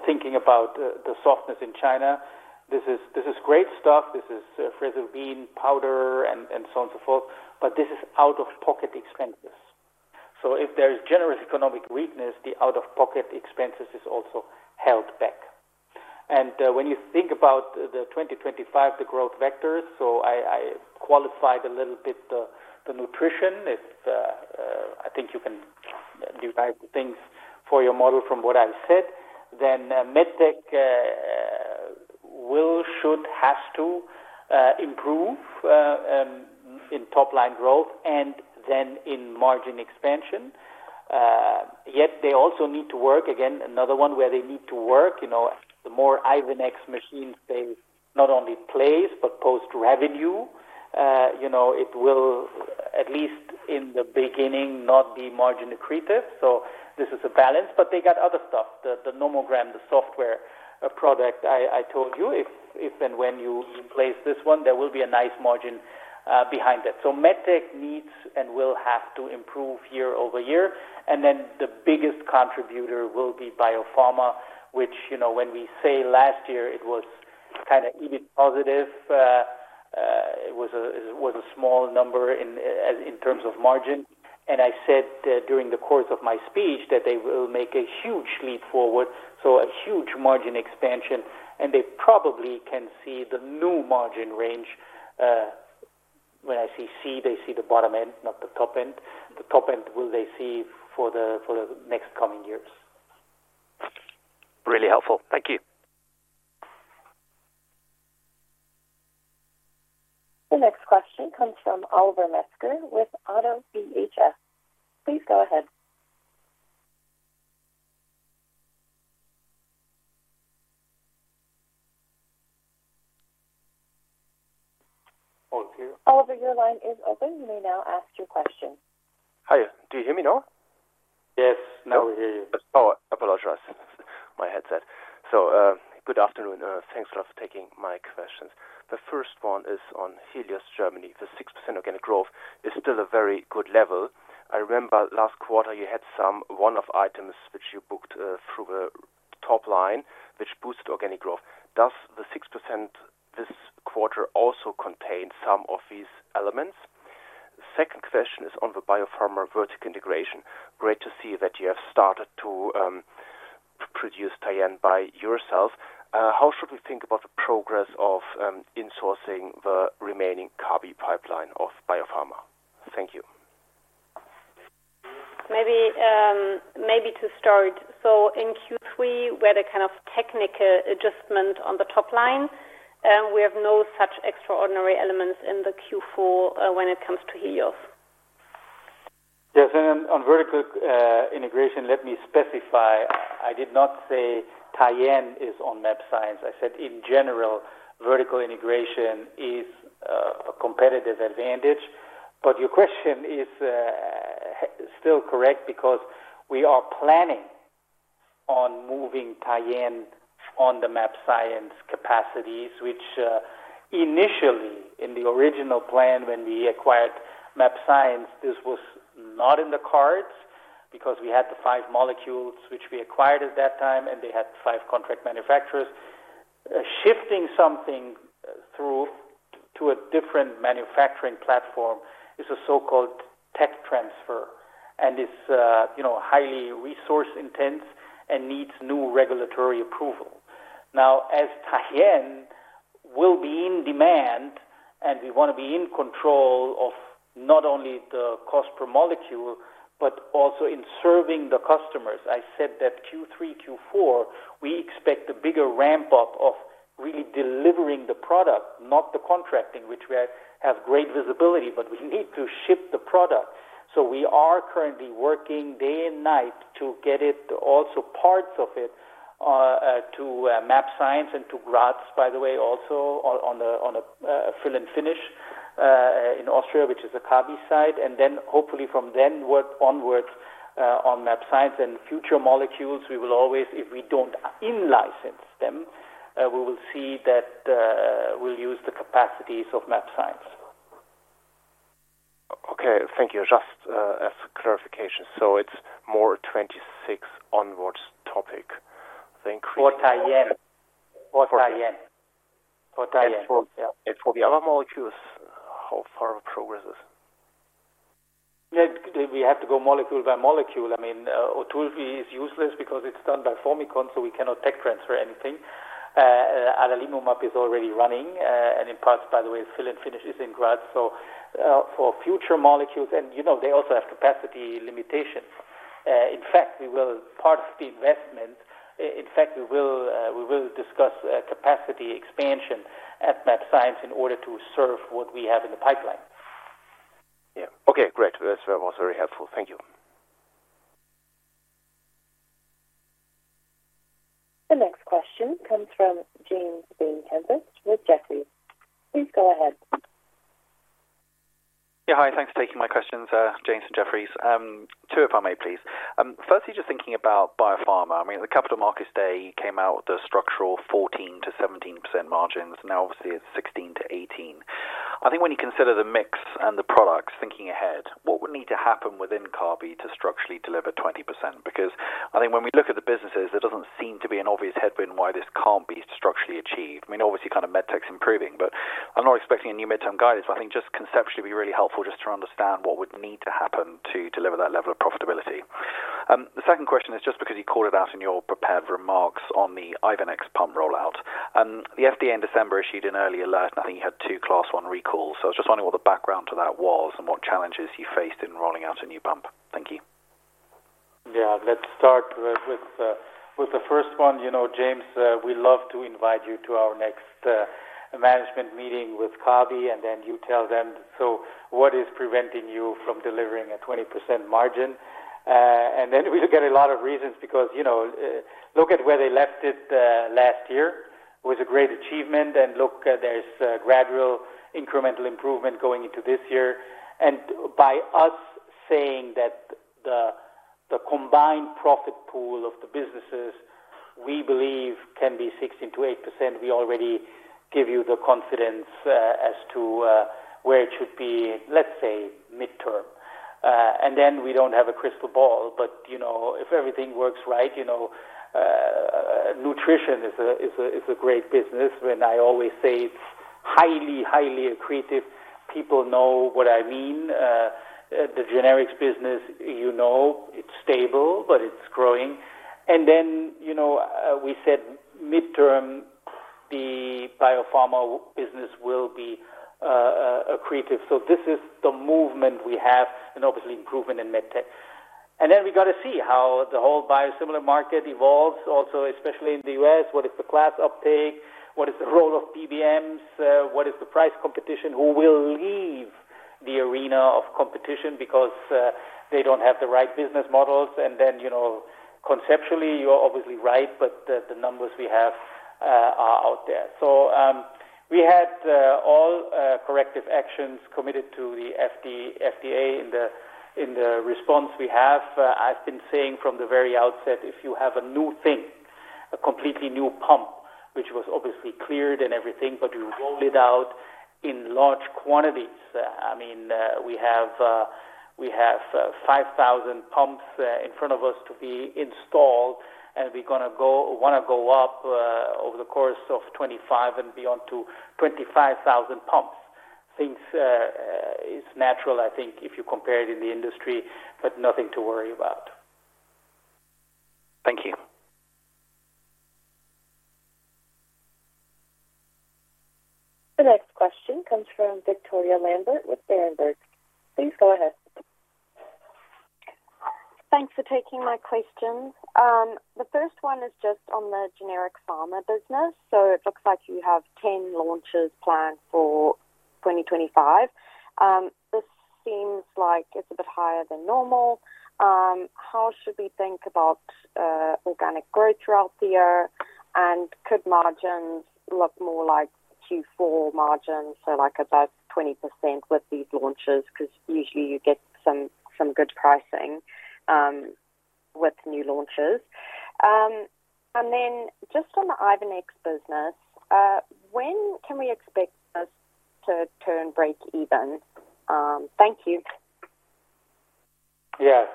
thinking about the softness in China. This is great stuff. This is Fresubin powder and so on and so forth. But this is out-of-pocket expenses, so if there's general economic weakness, the out-of-pocket expenses is also held back, and when you think about 2025, the growth vectors, so I qualified a little bit the Nutrition. I think you can derive things for your model from what I've said, then MedTech will, should, has to improve in top-line growth and then in margin expansion, yet they also need to work. Again, another one where they need to work. The more Ivenix machines they not only place but post revenue, it will at least in the beginning not be margin accretive, so this is a balance, but they got other stuff. The Nomogram, the software product I told you, if and when you place this one, there will be a nice margin behind that, so MedTech needs and will have to improve year-over-year, and then the biggest contributor will be Biopharma, which when we say last year it was kind of even positive, it was a small number in terms of margin, and I said during the course of my speech that they will make a huge leap forward, so a huge margin expansion, and they probably can see the new margin range. When I say see, they see the bottom end, not the top end. The top end will they see for the next coming years. Really helpful. Thank you. The next question comes from Oliver Metzger with ODDO BHF. Please go ahead. Oliver, your line is open. You may now ask your question. Hiya. Do you hear me now? Yes. Now we hear you. Apologize. My headset. So good afternoon. Thanks a lot for taking my questions. The first one is on Helios Germany. The 6% organic growth is still a very good level. I remember last quarter you had some one-off items which you booked through the top line, which boosted organic growth. Does the 6% this quarter also contain some of these elements? Second question is on the Biopharma vertical integration. Great to see that you have started to produce Tyenne by yourself. How should we think about the progress of insourcing the remaining Kabi pipeline of Biopharma? Thank you. Maybe to start, so in Q3, we had a kind of technical adjustment on the top line. We have no such extraordinary elements in the Q4 when it comes to Helios. Yes. And on vertical integration, let me specify. I did not say Tyenne is on mAbxience. I said in general, vertical integration is a competitive advantage. But your question is still correct because we are planning on moving Tyenne on the mAbxience capacities, which initially in the original plan when we acquired mAbxience, this was not in the cards because we had the five molecules which we acquired at that time, and they had five contract manufacturers. Shifting something through to a different manufacturing platform is a so-called tech transfer and is highly resource-intense and needs new regulatory approval. Now, as Tyenne will be in demand and we want to be in control of not only the cost per molecule but also in serving the customers, I said that Q3, Q4, we expect a bigger ramp-up of really delivering the product, not the contracting, which we have great visibility, but we need to ship the product. So we are currently working day and night to get it, also parts of it, to mAbxience and to Graz, by the way, also on a fill and finish in Austria, which is the Kabi side. And then hopefully from then onwards on mAbxience and future molecules, we will always, if we don't in-license them, we will see that we'll use the capacities of mAbxience. Okay. Thank you. Just as a clarification. So it's more 2026 onwards topic. The increase- For Tyenne. For the other molecules, how far is progress? We have to go molecule by molecule. I mean, Otulfi is useless because it's done by Formycon, so we cannot tech transfer anything. Adalimumab is already running. And in parts, by the way, fill and finish is in Graz. So for future molecules, and they also have capacity limitations. In fact, we will be part of the investment. In fact, we will discuss capacity expansion at mAbxience in order to serve what we have in the pipeline. Yeah. Okay. Great. That was very helpful. Thank you. The next question comes from James Vane-Tempest with Jefferies. Please go ahead. Yeah. Hi. Thanks for taking my questions, James and Jefferies. Two, if I may, please. Firstly, just thinking about Biopharma. I mean, the Capital Markets Day came out with the structural 14%-17% margins. Now, obviously, it's 16%-18%. I think when you consider the mix and the products, thinking ahead, what would need to happen within Kabi to structurally deliver 20%? Because I think when we look at the businesses, there doesn't seem to be an obvious headwind why this can't be structurally achieved. I mean, obviously, kind of MedTech's improving, but I'm not expecting a new midterm guidance. But I think just conceptually would be really helpful just to understand what would need to happen to deliver that level of profitability. The second question is just because you called it out in your prepared remarks on the Ivenix pump rollout. The FDA in December issued an early alert, and I think you had two class one recalls. So I was just wondering what the background to that was and what challenges you faced in rolling out a new pump. Thank you. Yeah. Let's start with the first one. James, we love to invite you to our next management meeting with Kabi, and then you tell them, "So what is preventing you from delivering a 20% margin?" And then we look at a lot of reasons because look at where they left it last year. It was a great achievement. And look, there's gradual incremental improvement going into this year. And by us saying that the combined profit pool of the businesses we believe can be 16% to 8%, we already give you the confidence as to where it should be, let's say, midterm. And then we don't have a crystal ball. But if everything works right, Nutrition is a great business. And I always say it's highly, highly accretive. People know what I mean. The generics business, you know it's stable, but it's growing. And then we said midterm, the Biopharma business will be accretive. So this is the movement we have and obviously improvement in MedTech. And then we got to see how the whole biosimilar market evolves, also especially in the U.S. What is the class uptake? What is the role of PBMs? What is the price competition? Who will leave the arena of competition because they don't have the right business models? And then conceptually, you're obviously right, but the numbers we have are out there. So we had all corrective actions committed to the FDA in the response we have. I've been saying from the very outset, if you have a new thing, a completely new pump, which was obviously cleared and everything, but you roll it out in large quantities, I mean, we have 5,000 pumps in front of us to be installed, and we're going to want to go up over the course of 2025 and be on to 25,000 pumps. This is natural, I think, if you compare it in the industry, but nothing to worry about. Thank you. The next question comes from Victoria Lambert with Berenberg. Please go ahead. Thanks for taking my question. The first one is just on the generic pharma business. So it looks like you have 10 launches planned for 2025. This seems like it's a bit higher than normal. How should we think about organic growth throughout the year? And could margins look more like Q4 margins, so like about 20% with these launches because usually you get some good pricing with new launches? And then just on the Ivenix business, when can we expect this to turn break-even? Thank you. Yeah.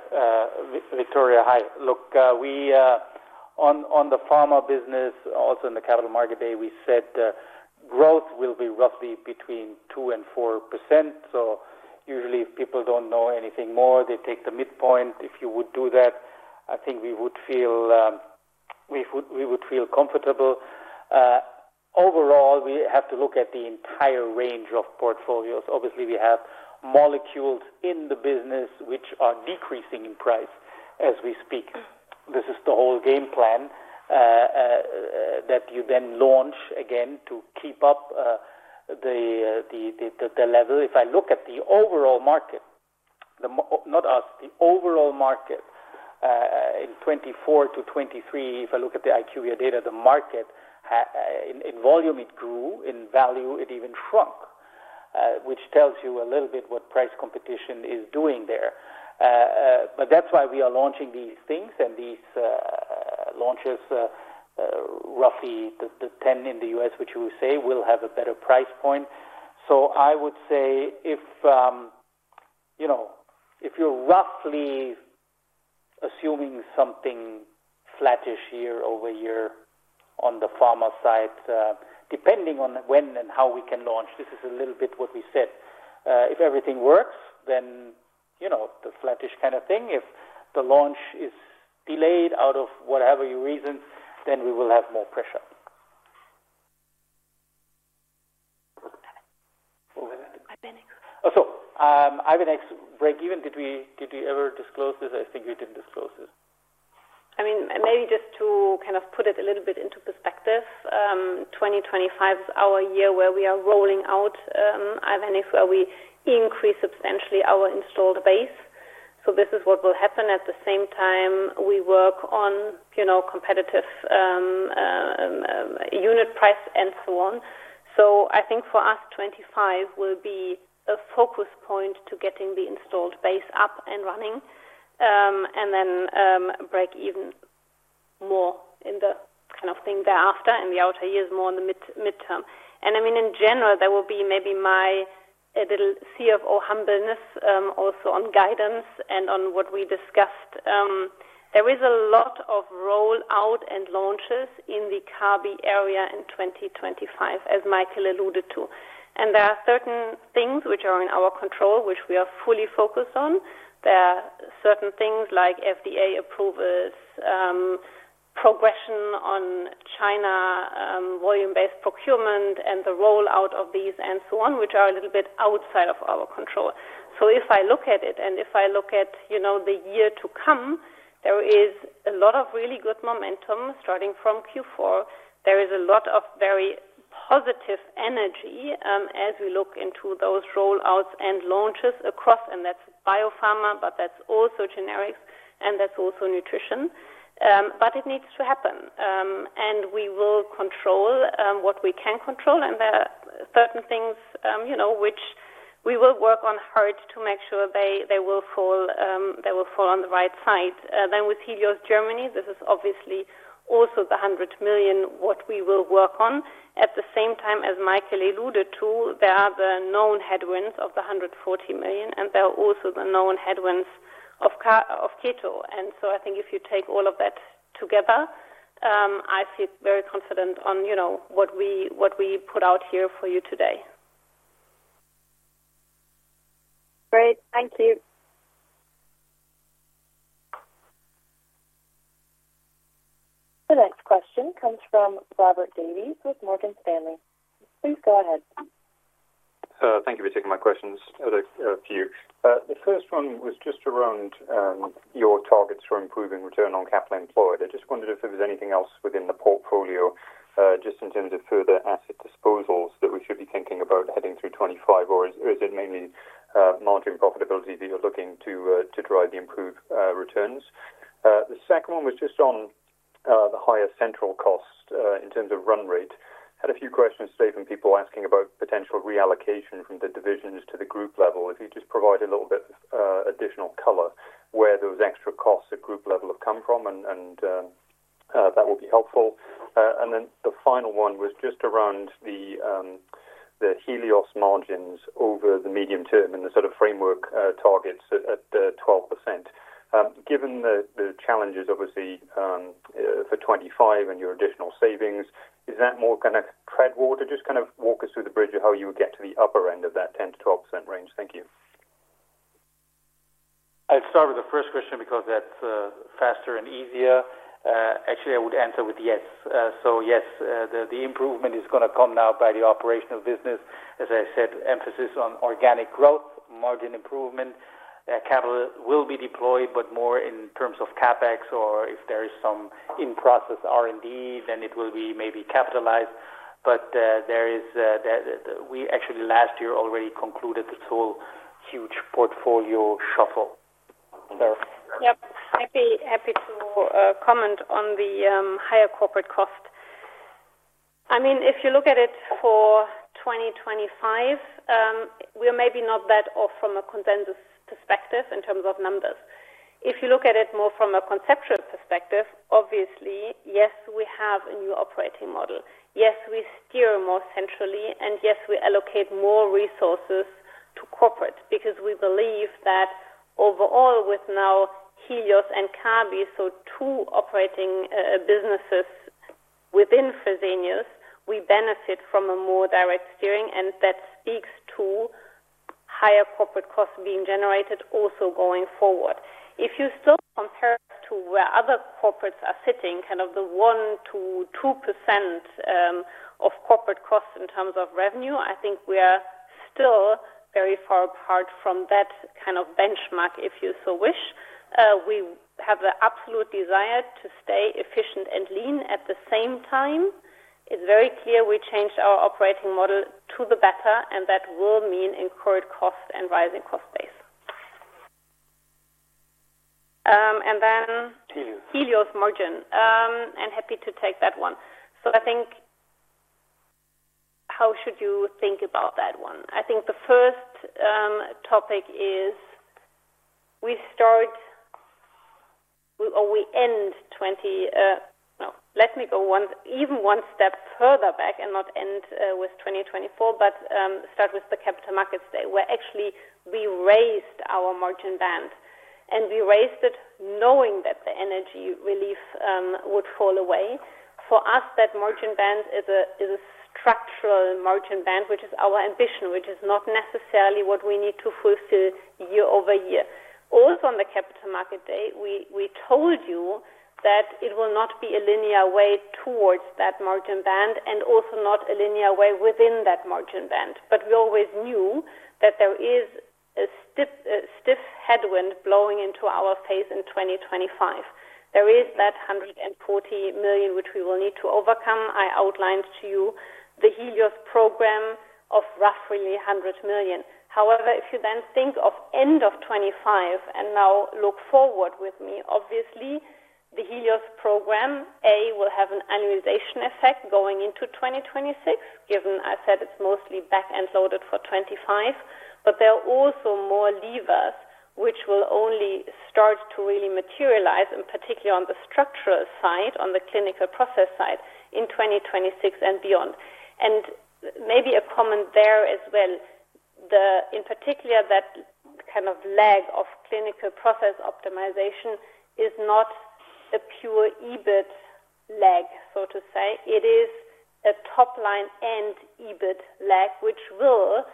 Victoria, hi. Look, on the pharma business, also in the Capital Market Day, we said growth will be roughly between 2% and 4%. So usually if people don't know anything more, they take the midpoint. If you would do that, I think we would feel comfortable. Overall, we have to look at the entire range of portfolios. Obviously, we have molecules in the business which are decreasing in price as we speak. This is the whole game plan that you then launch again to keep up the level. If I look at the overall market, not us, the overall market in 2024 to 2023, if I look at the IQVIA data, the market in volume it grew. In value, it even shrunk, which tells you a little bit what price competition is doing there, but that's why we are launching these things and these launches. Roughly the 10 in the U.S., which you will say, will have a better price point, so I would say if you're roughly assuming something flattish year-over-year on the pharma side, depending on when and how we can launch, this is a little bit what we said. If everything works, then the flattish kind of thing. If the launch is delayed out of whatever reason, then we will have more pressure over there. Ivenix. Oh, sorry. Ivenix break-even. Did we ever disclose this? I think we didn't disclose this. I mean, maybe just to kind of put it a little bit into perspective, 2025 is our year where we are rolling out Ivenix, where we increase substantially our installed base. This is what will happen. At the same time, we work on competitive unit price and so on. I think for us, 2025 will be a focus point to getting the installed base up and running and then break-even more in the kind of thing thereafter and the outer years more in the midterm. I mean, in general, there will be maybe my little sea of humble-ness also on guidance and on what we discussed. There is a lot of rollout and launches in the Kabi area in 2025, as Michael alluded to. There are certain things which are in our control, which we are fully focused on. There are certain things like FDA approvals, progression on China volume-based procurement and the rollout of these and so on, which are a little bit outside of our control. If I look at it and if I look at the year to come, there is a lot of really good momentum starting from Q4. There is a lot of very positive energy as we look into those rollouts and launches across. That's Biopharma, but that's also generics, and that's also Nutrition. It needs to happen. We will control what we can control. There are certain things which we will work on hard to make sure they will fall on the right side. With Helios Germany, this is obviously also the 100 million what we will work on. At the same time as Michael alluded to, there are the known headwinds of 140 million, and there are also the known headwinds of Keto. And so I think if you take all of that together, I feel very confident on what we put out here for you today. Great. Thank you. The next question comes from Robert Davies with Morgan Stanley. Please go ahead. Thank you for taking my questions. There are a few. The first one was just around your targets for improving return on capital employed. I just wondered if there was anything else within the portfolio just in terms of further asset disposals that we should be thinking about heading through 2025, or is it mainly margin profitability that you're looking to drive the improved returns? The second one was just on the higher central cost in terms of run rate. Had a few questions today from people asking about potential reallocation from the divisions to the group level. If you could just provide a little bit of additional color where those extra costs at group level have come from, and that will be helpful. And then the final one was just around the Helios margins over the medium term and the sort of framework targets at 12%. Given the challenges, obviously, for 2025 and your additional savings, is that more kind of tread water? Just kind of walk us through the bridge of how you would get to the upper end of that 10%-12% range. Thank you. I'll start with the first question because that's faster and easier. Actually, I would answer with yes. So yes, the improvement is going to come now by the operational business. As I said, emphasis on organic growth, margin improvement. Capital will be deployed, but more in terms of CapEx or if there is some in-process R&D, then it will be maybe capitalized. But we actually last year already concluded this whole huge portfolio shuffle. Yep. Happy to comment on the higher corporate cost. I mean, if you look at it for 2025, we're maybe not that off from a consensus perspective in terms of numbers. If you look at it more from a conceptual perspective, obviously, yes, we have a new operating model. Yes, we steer more centrally. And yes, we allocate more resources to corporate because we believe that overall with now Helios and Kabi, so two operating businesses within Fresenius, we benefit from a more direct steering. And that speaks to higher corporate costs being generated also going forward. If you still compare it to where other corporates are sitting, kind of the 1%-2% of corporate costs in terms of revenue, I think we are still very far apart from that kind of benchmark, if you so wish. We have the absolute desire to stay efficient and lean at the same time. It's very clear we changed our operating model to the better, and that will mean incurred costs and rising cost base, and then Helios. Helios margin, and happy to take that one, so I think how should you think about that one? I think the first topic is we start or we end 2020 no. Let me go even one step further back and not end with 2024, but start with the Capital Markets Day where actually we raised our margin band, and we raised it knowing that the energy relief would fall away. For us, that margin band is a structural margin band, which is our ambition, which is not necessarily what we need to fulfill year-over-year. Also on the Capital Market Day, we told you that it will not be a linear way towards that margin band and also not a linear way within that margin band. But we always knew that there is a stiff headwind blowing into our face in 2025. There is that 140 million which we will need to overcome. I outlined to you the Helios program of roughly 100 million. However, if you then think of end of 2025 and now look forward with me, obviously, the Helios program, A, will have an annualization effect going into 2026, given I said it's mostly back-end loaded for 2025. But there are also more levers which will only start to really materialize, in particular on the structural side, on the clinical process side in 2026 and beyond. And maybe a comment there as well, in particular, that kind of lag of clinical process optimization is not a pure EBIT lag, so to say. It is a top-line and EBIT lag which will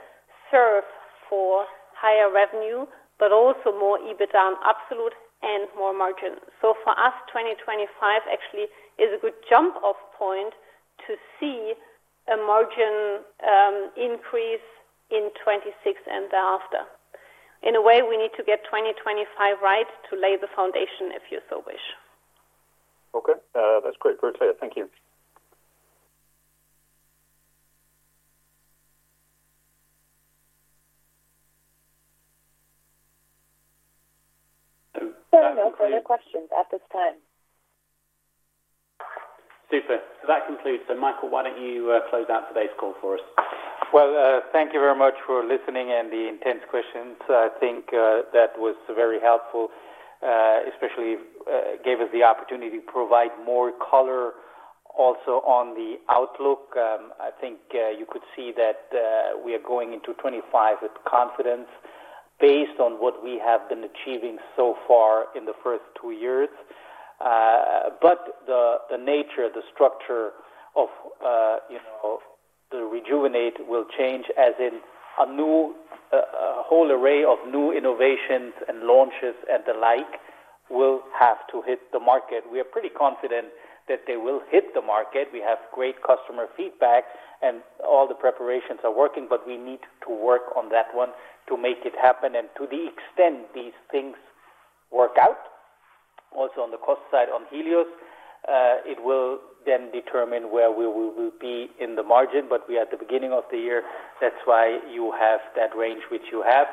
serve for higher revenue, but also more EBIT, absolute and more margin. So for us, 2025 actually is a good jump-off point to see a margin increase in 2026 and thereafter. In a way, we need to get 2025 right to lay the foundation, if you so wish. Okay. That's great. Very clear. Thank you. There are no further questions at this time. Super. So that concludes. So Michael, why don't you close out today's call for us? Thank you very much for listening and the intense questions. I think that was very helpful, especially gave us the opportunity to provide more color also on the outlook. I think you could see that we are going into 2025 with confidence based on what we have been achieving so far in the first two years. But the nature, the structure of the revenue will change as in a whole array of new innovations and launches and the like will have to hit the market. We are pretty confident that they will hit the market. We have great customer feedback, and all the preparations are working, but we need to work on that one to make it happen and to the extent these things work out. Also on the cost side on Helios, it will then determine where we will be in the margin. But we are at the beginning of the year. That's why you have that range which you have.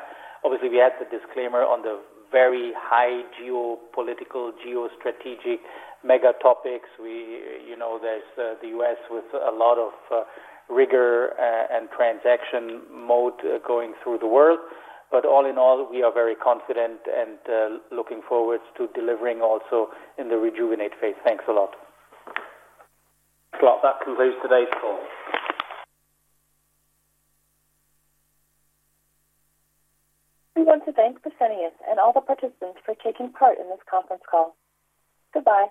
Obviously, we had the disclaimer on the very high geopolitical, geostrategic mega topics. There's the U.S. with a lot of rigor and transaction mode going through the world. But all in all, we are very confident and looking forward to delivering also in the Rejuvenate phase. Thanks a lot. That concludes today's call. We want to thank Fresenius and all the participants for taking part in this conference call. Goodbye.